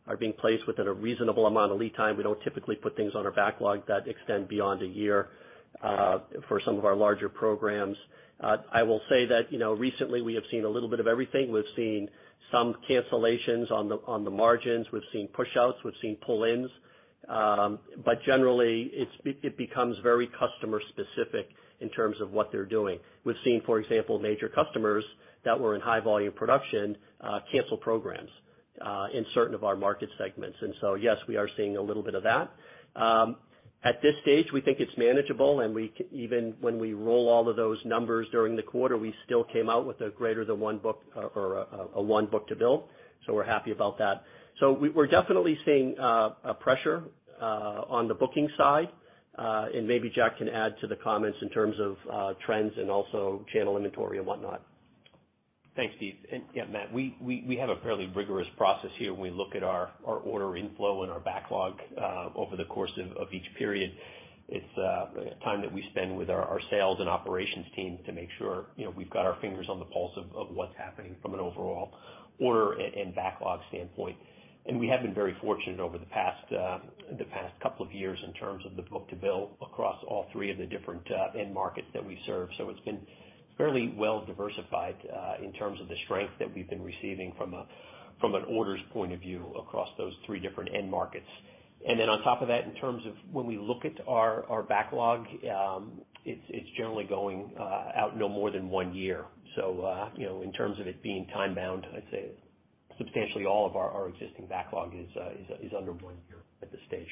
are being placed within a reasonable amount of lead time. We don't typically put things on our backlog that extend beyond a year for some of our larger programs. I will say that you know, recently we have seen a little bit of everything. We've seen some cancellations on the margins. We've seen pushouts, we've seen pull-ins. But generally, it becomes very customer specific in terms of what they're doing. We've seen, for example, major customers that were in high volume production cancel programs in certain of our market segments. Yes, we are seeing a little bit of that. At this stage, we think it's manageable, and even when we roll all of those numbers during the quarter, we still came out with a greater than one book or a one book-to-bill. We're happy about that. We're definitely seeing a pressure on the booking side. Maybe Jack can add to the comments in terms of trends and also channel inventory and whatnot. Thanks, Steve. Yeah, Matt, we have a fairly rigorous process here when we look at our order inflow and our backlog over the course of each period. It's time that we spend with our sales and operations team to make sure, you know, we've got our fingers on the pulse of what's happening from an overall order and backlog standpoint. We have been very fortunate over the past couple of years in terms of the book-to-bill across all three of the different end markets that we serve. It's been fairly well diversified in terms of the strength that we've been receiving from an orders point of view across those three different end markets. On top of that, in terms of when we look at our backlog, it's generally going out no more than one year. You know, in terms of it being time-bound, I'd say substantially all of our existing backlog is under one year at this stage.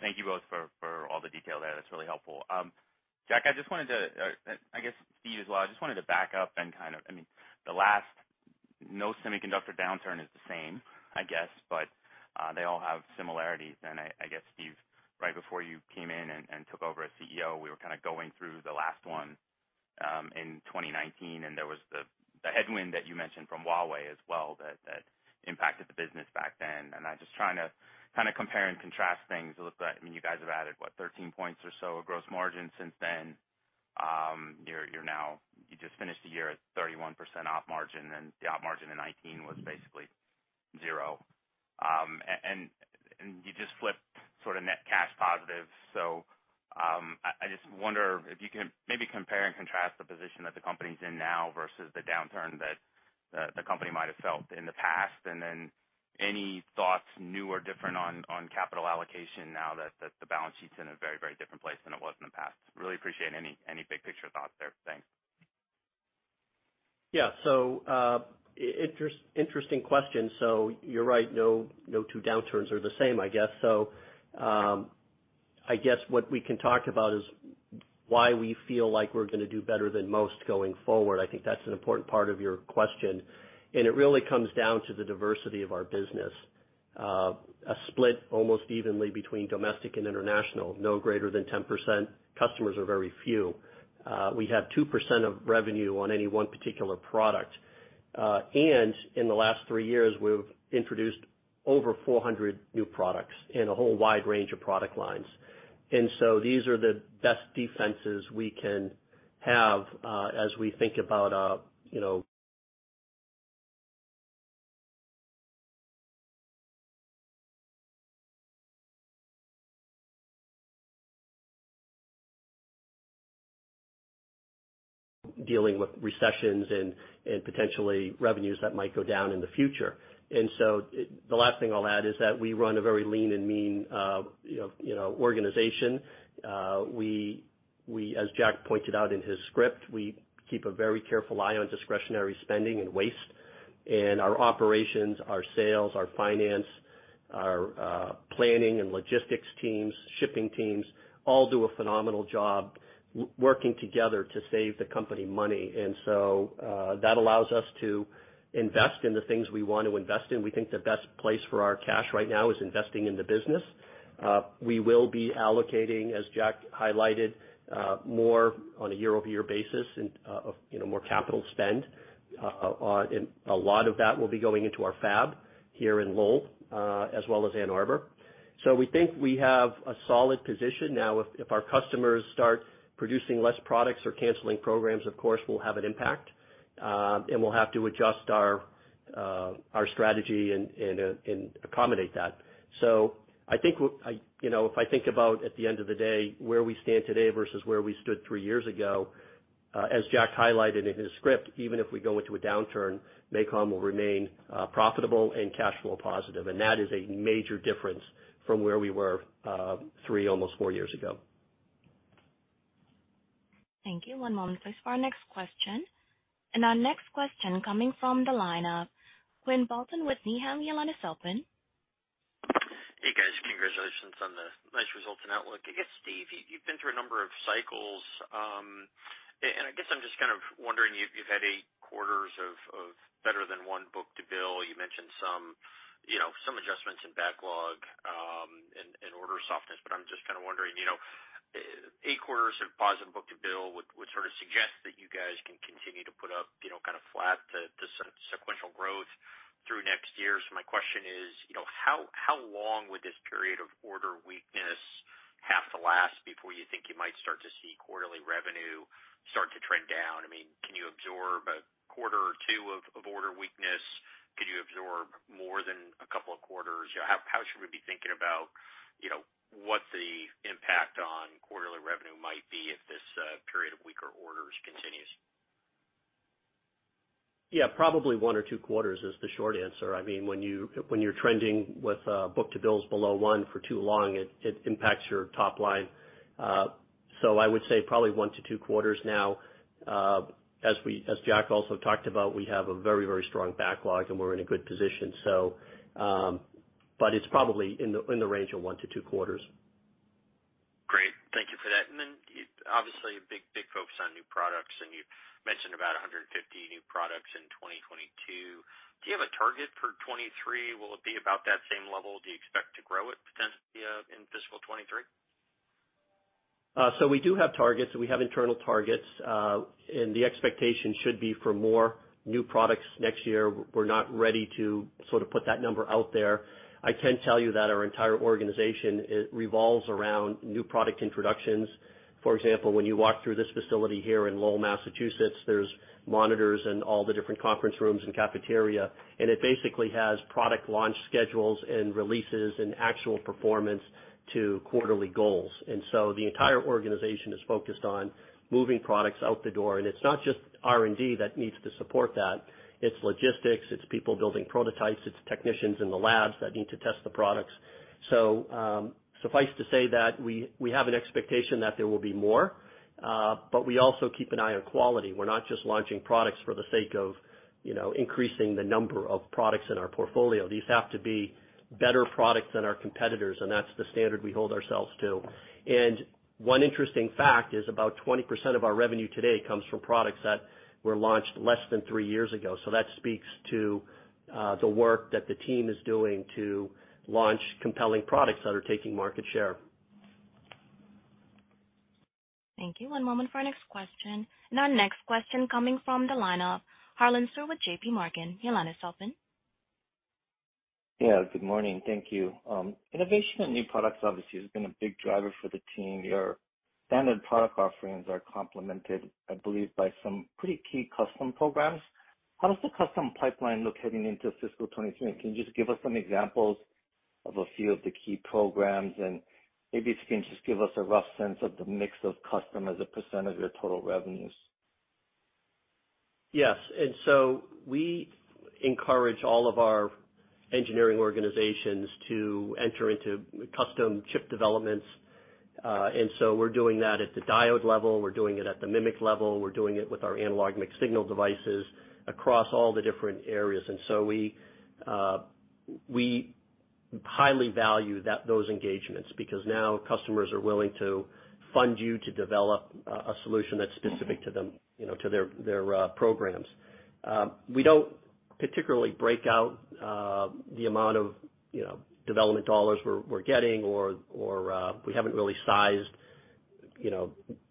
Thank you both for all the detail there. That's really helpful. Jack, I just wanted to, I guess Steve as well, back up and kind of. I mean, no semiconductor downturn is the same, I guess, but they all have similarities. I guess, Steve, right before you came in and took over as CEO, we were kind of going through the last one in 2019, and there was the headwind that you mentioned from Huawei as well that impacted the business back then. I'm just trying to kind of compare and contrast things. It looks like, I mean, you guys have added what? 13 points or so of gross margin since then. You're now. You just finished the year at 31% op margin, and the op margin in 2019 was basically 0%. You just flipped sort of net cash positive. I just wonder if you can maybe compare and contrast the position that the company's in now versus the downturn that the company might have felt in the past. Any thoughts, new or different, on capital allocation now that the balance sheet's in a very, very different place than it was in the past? Really appreciate any big picture thoughts there. Thanks. Interesting question. You're right, no two downturns are the same, I guess. I guess what we can talk about is why we feel like we're gonna do better than most going forward. I think that's an important part of your question. It really comes down to the diversity of our business. A split almost evenly between domestic and international, no greater than 10%. Customers are very few. We have 2% of revenue on any one particular product. In the last three years, we've introduced over 400 new products in a whole wide range of product lines. These are the best defenses we can have, as we think about, you know, dealing with recessions and potentially revenues that might go down in the future. The last thing I'll add is that we run a very lean and mean, you know, organization. We, as Jack pointed out in his script, keep a very careful eye on discretionary spending and waste. Our operations, our sales, our finance, our planning and logistics teams, shipping teams, all do a phenomenal job working together to save the company money. That allows us to invest in the things we want to invest in. We think the best place for our cash right now is investing in the business. We will be allocating, as Jack highlighted, more on a year-over-year basis and, you know, more capital spend. A lot of that will be going into our fab here in Lowell, as well as Ann Arbor. We think we have a solid position. Now if our customers start producing less products or canceling programs, of course, we'll have an impact, and we'll have to adjust our strategy and accommodate that. I think, you know, if I think about at the end of the day, where we stand today versus where we stood three years ago, as Jack highlighted in his script, even if we go into a downturn, MACOM will remain profitable and cash flow positive. That is a major difference from where we were three, almost four years ago. Thank you. One moment please for our next question. Our next question coming from the line of Quinn Bolton with Needham, your line is open. Hey, guys. Congratulations on the nice results and outlook. I guess, Steve, you've been through a number of cycles. And I guess I'm just kind of wondering, you've had eight quarters of better than 1 book-to-bill. You mentioned some, you know, some adjustments in backlog, and order softness, but I'm just kinda wondering, you know, eight quarters of positive book-to-bill would sort of suggest that you guys can continue to put up, you know, kinda flat to some sequential growth through next year. So my question is, you know, how long would this period of order weakness have to last before you think you might start to see quarterly revenue start to trend down? I mean, can you absorb a quarter or two of order weakness? Could you absorb more than a couple of quarters? You know, how should we be thinking about, you know, what the impact on quarterly revenue might be if this period of weaker orders continues? Yeah, probably one or two quarters is the short answer. I mean, when you're trending with book-to-bill below one for too long, it impacts your top line. I would say probably one to two quarters now. As Jack also talked about, we have a very, very strong backlog, and we're in a good position. It's probably in the range of one to two quarters. Great. Thank you for that. Obviously a big, big focus on new products, and you mentioned about 150 new products in 2022. Do you have a target for 2023? Will it be about that same level? Do you expect to grow it potentially in fiscal 2023? We do have targets. We have internal targets, and the expectation should be for more new products next year. We're not ready to sort of put that number out there. I can tell you that our entire organization, it revolves around new product introductions. For example, when you walk through this facility here in Lowell, Massachusetts, there's monitors in all the different conference rooms and cafeteria, and it basically has product launch schedules and releases and actual performance to quarterly goals. The entire organization is focused on moving products out the door. It's not just R&D that needs to support that. It's logistics, it's people building prototypes, it's technicians in the labs that need to test the products. Suffice to say that we have an expectation that there will be more, but we also keep an eye on quality. We're not just launching products for the sake of, you know, increasing the number of products in our portfolio. These have to be better products than our competitors, and that's the standard we hold ourselves to. One interesting fact is about 20% of our revenue today comes from products that were launched less than three years ago. That speaks to the work that the team is doing to launch compelling products that are taking market share. Thank you. One moment for our next question. Our next question coming from the line of Harlan Sur with JPMorgan. Your line is open. Yeah, good morning. Thank you. Innovation and new products obviously has been a big driver for the team. Your standard product offerings are complemented, I believe, by some pretty key custom programs. How does the custom pipeline look heading into fiscal 2023? Can you just give us some examples of a few of the key programs? Maybe if you can just give us a rough sense of the mix of custom as a percentage of your total revenues. Yes. We encourage all of our engineering organizations to enter into custom chip developments. We're doing that at the diode level, we're doing it at the MMIC level, we're doing it with our analog mixed signal devices across all the different areas. We highly value those engagements because now customers are willing to fund you to develop a solution that's specific to them, you know, to their programs. We don't particularly break out the amount of development dollars we're getting or we haven't really sized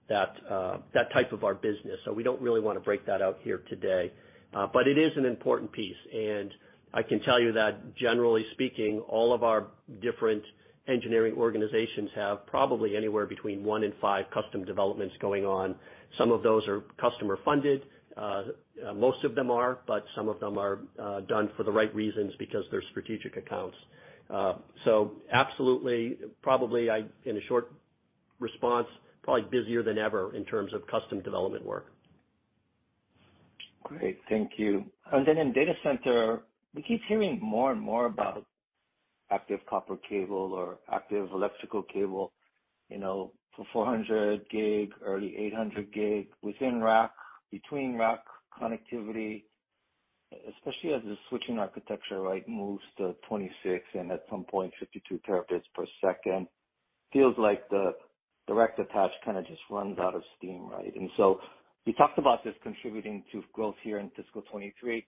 that type of our business, so we don't really wanna break that out here today. It is an important piece. I can tell you that generally speaking, all of our different engineering organizations have probably anywhere between 1 and 5 custom developments going on. Some of those are customer funded, most of them are, but some of them are done for the right reasons because they're strategic accounts. Absolutely, in a short response, probably busier than ever in terms of custom development work. Great. Thank you. In data center, we keep hearing more and more about active copper cable or active electrical cable, you know, for 400 gig, early 800 gig within rack, between rack connectivity, especially as the switching architecture, right, moves to 26 and at some point 52 Tb per second. Feels like the direct attach kinda just runs out of steam, right? You talked about this contributing to growth here in fiscal 2023.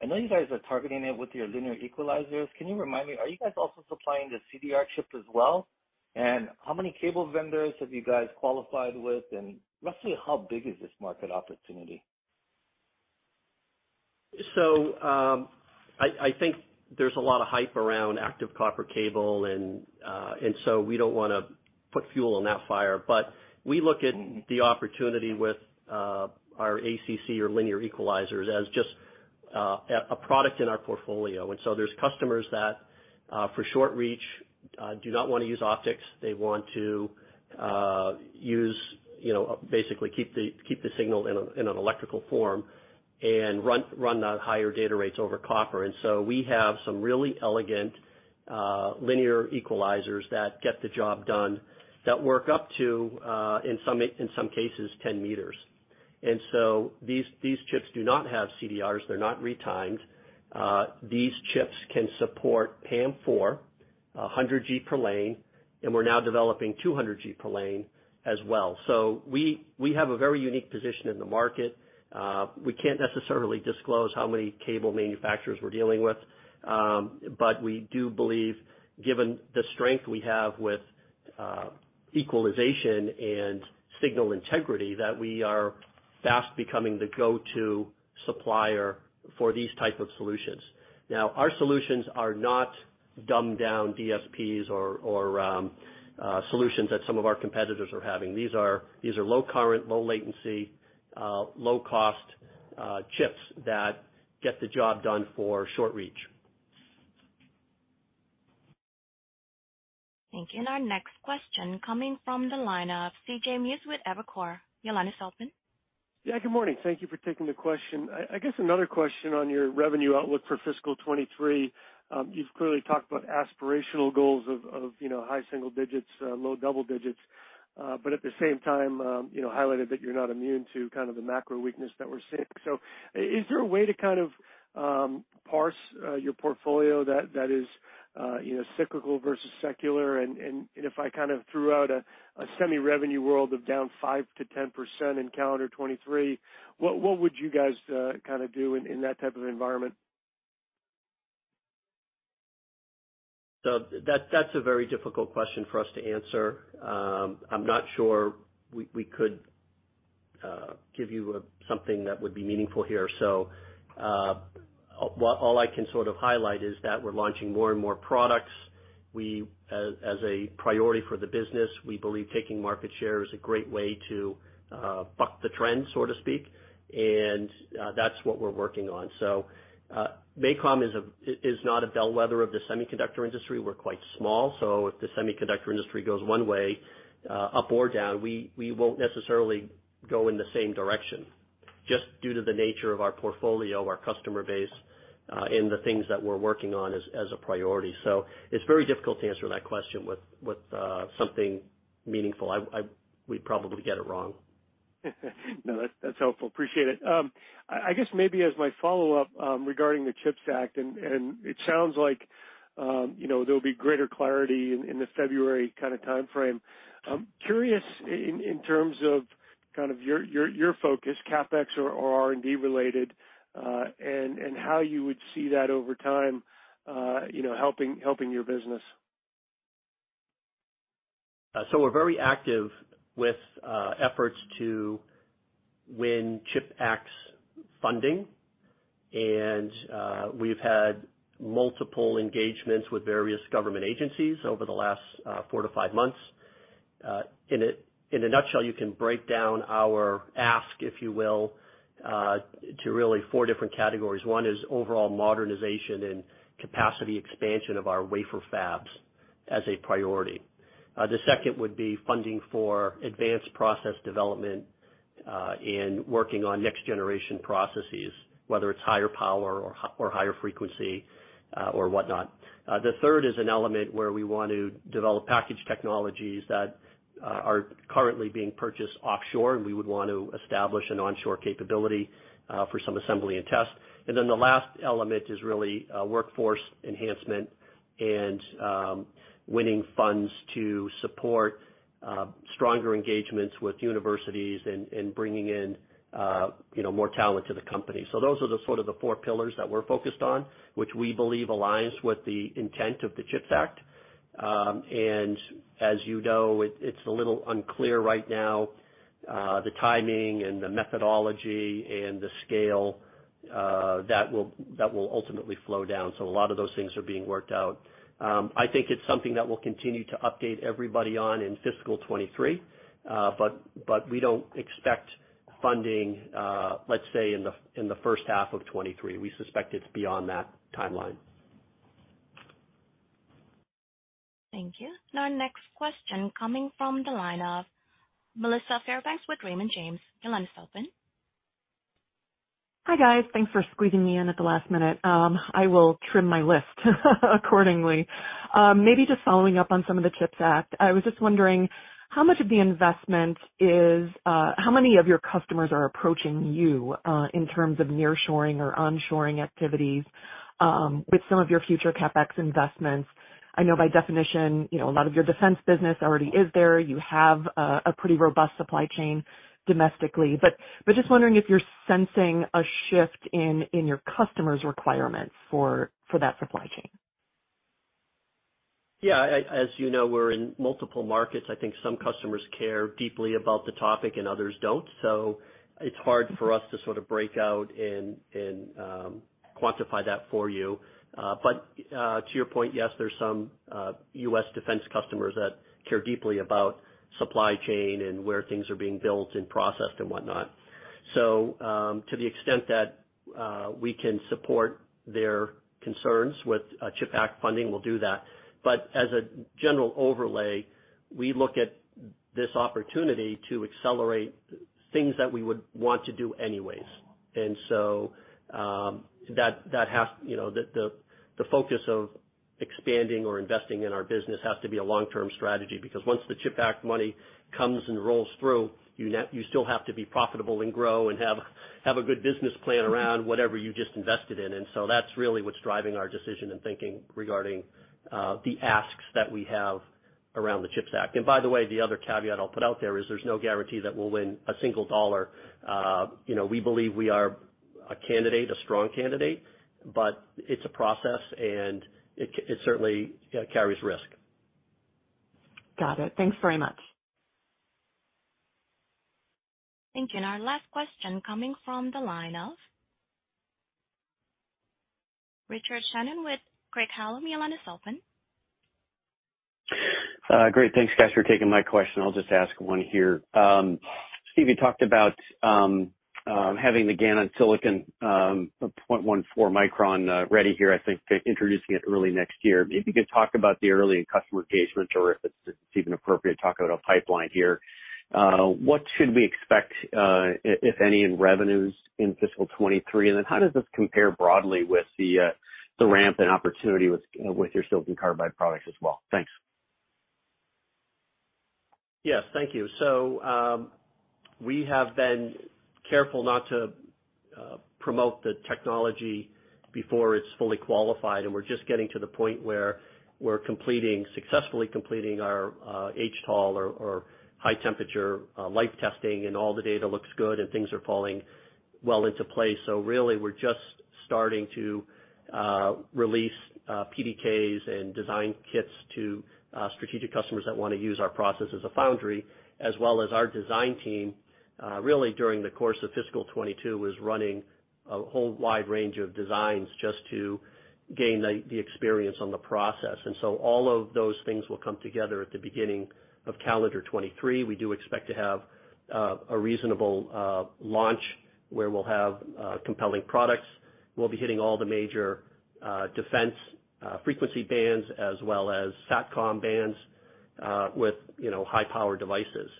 I know you guys are targeting it with your linear equalizers. Can you remind me, are you guys also supplying the CDR chip as well? And how many cable vendors have you guys qualified with? And roughly how big is this market opportunity? I think there's a lot of hype around active copper cable and so we don't wanna put fuel on that fire. We look at the opportunity with our ACC or linear equalizers as just a product in our portfolio. There are customers that for short reach do not wanna use optics. They want to use you know basically keep the signal in an electrical form and run the higher data rates over copper. We have some really elegant linear equalizers that get the job done that work up to in some cases 10 m. These chips do not have CDRs. They're not re-timed. These chips can support PAM4, 100 G per lane, and we're now developing 200 G per lane as well. We have a very unique position in the market. We can't necessarily disclose how many cable manufacturers we're dealing with. We do believe, given the strength we have with equalization and signal integrity, that we are fast becoming the go-to supplier for these type of solutions. Now, our solutions are not dumbed down DSPs or solutions that some of our competitors are having. These are low current, low latency, low cost chips that get the job done for short reach. Thank you. Our next question coming from the line of CJ Muse with Evercore. Your line is open. Yeah, good morning. Thank you for taking the question. I guess another question on your revenue outlook for fiscal 2023. You've clearly talked about aspirational goals of you know high single digits low double digits. At the same time you know highlighted that you're not immune to kind of the macro weakness that we're seeing. Is there a way to kind of parse your portfolio that is you know cyclical versus secular? If I kind of threw out a semiconductor revenue world of down 5%-10% in calendar 2023, what would you guys kind of do in that type of environment? That, that's a very difficult question for us to answer. I'm not sure we could give you something that would be meaningful here. All I can sort of highlight is that we're launching more and more products. As a priority for the business, we believe taking market share is a great way to buck the trend, so to speak, and that's what we're working on. MACOM is not a bellwether of the semiconductor industry. We're quite small. If the semiconductor industry goes one way, up or down, wE won't necessarily go in the same direction just due to the nature of our portfolio, our customer base, and the things that we're working on as a priority. It's very difficult to answer that question with something meaningful. We'd probably get it wrong. No, that's helpful. Appreciate it. I guess maybe as my follow-up, regarding the CHIPS Act, and it sounds like, you know, there'll be greater clarity in the February kind of timeframe. I'm curious in terms of kind of your focus, CapEx or R&D related, and how you would see that over time, you know, helping your business. We're very active with efforts to win CHIPS Act funding, and we've had multiple engagements with various government agencies over the last 4-5 months. In a nutshell, you can break down our ask, if you will, to really four different categories. One is overall modernization and capacity expansion of our wafer fabs as a priority. The second would be funding for advanced process development and working on next generation processes, whether it's higher power or higher frequency or whatnot. The third is an element where we want to develop package technologies that are currently being purchased offshore, and we would want to establish an onshore capability for some assembly and test. Then the last element is really, workforce enhancement and winning funds to support stronger engagements with universities and bringing in, you know, more talent to the company. Those are the sort of the four pillars that we're focused on, which we believe aligns with the intent of the CHIPS Act. As you know, it's a little unclear right now, the timing and the methodology and the scale that will ultimately flow down. A lot of those things are being worked out. I think it's something that we'll continue to update everybody on in fiscal 2023, but we don't expect funding, let's say in the first half of 2023. We suspect it's beyond that timeline. Thank you. Now next question coming from the line of Melissa Fairbanks with Raymond James. Your line is open. Hi, guys. Thanks for squeezing me in at the last minute. I will trim my list accordingly. Maybe just following up on some of the CHIPS Act, I was just wondering how much of the investment is, how many of your customers are approaching you in terms of nearshoring or onshoring activities with some of your future CapEx investments? I know by definition, you know, a lot of your defense business already is there. You have a pretty robust supply chain domestically. Just wondering if you're sensing a shift in your customers' requirements for that supply chain. Yeah. As you know, we're in multiple markets. I think some customers care deeply about the topic and others don't. It's hard for us to sort of break out and quantify that for you. To your point, yes, there's some U.S. defense customers that care deeply about supply chain and where things are being built and processed and whatnot. To the extent that we can support their concerns with CHIPS Act funding, we'll do that. As a general overlay, we look at this opportunity to accelerate things that we would want to do anyways. That has, you know, the focus of expanding or investing in our business has to be a long-term strategy, because once the CHIPS Act money comes and rolls through, you still have to be profitable and grow and have a good business plan around whatever you just invested in. That's really what's driving our decision and thinking regarding the asks that we have around the CHIPS Act. By the way, the other caveat I'll put out there is there's no guarantee that we'll win a single dollar. You know, we believe we are a candidate, a strong candidate, but it's a process, and it certainly carries risk. Got it. Thanks very much. Thank you. Our last question coming from the line of Richard Shannon with Craig-Hallum. Your line is open. Great. Thanks, guys, for taking my question. I'll just ask one here. Steve, you talked about having the GaN on silicon 0.14 micron ready here, I think introducing it early next year. Maybe you could talk about the early customer engagements or if it's even appropriate to talk about a pipeline here. What should we expect, if any, in revenues in fiscal 2023? Then how does this compare broadly with the ramp and opportunity with your silicon carbide products as well? Thanks. Yes. Thank you. We have been careful not to promote the technology before it's fully qualified, and we're just getting to the point where we're successfully completing our HTOL or high temperature life testing, and all the data looks good, and things are falling well into play. Really we're just starting to release PDKs and design kits to strategic customers that wanna use our process as a foundry, as well as our design team really during the course of fiscal 2022 was running a whole wide range of designs just to gain the experience on the process. All of those things will come together at the beginning of calendar 2023. We do expect to have a reasonable launch where we'll have compelling products. We'll be hitting all the major defense frequency bands as well as SATCOM bands, with, you know, high power devices.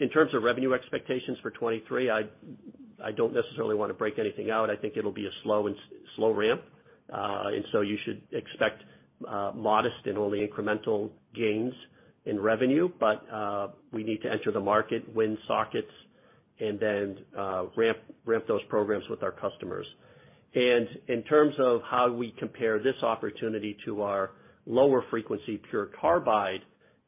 In terms of revenue expectations for 2023, I don't necessarily wanna break anything out. I think it'll be a slow ramp. You should expect modest and only incremental gains in revenue, but we need to enter the market win sockets and then ramp those programs with our customers. In terms of how we compare this opportunity to our lower frequency PURE CARBIDE,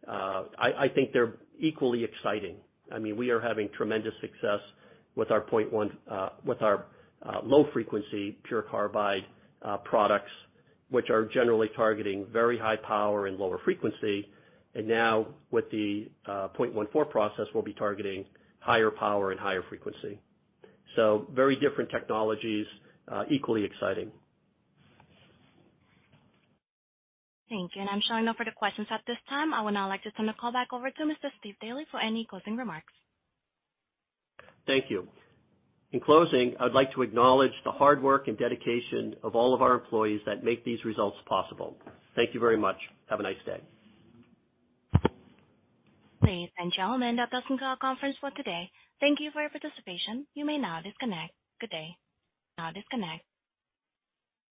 I think they're equally exciting. I mean, we are having tremendous success with our low frequency PURE CARBIDE products, which are generally targeting very high power and lower frequency. Now with the 0.14 process, we'll be targeting higher power and higher frequency. Very different technologies, equally exciting. Thank you. I'm showing no further questions at this time. I would now like to turn the call back over to Mr. Steve Daly for any closing remarks. Thank you. In closing, I'd like to acknowledge the hard work and dedication of all of our employees that make these results possible. Thank you very much. Have a nice day. Ladies and gentlemen, that does end our conference call for today. Thank you for your participation. You may now disconnect. Good day. Now disconnect.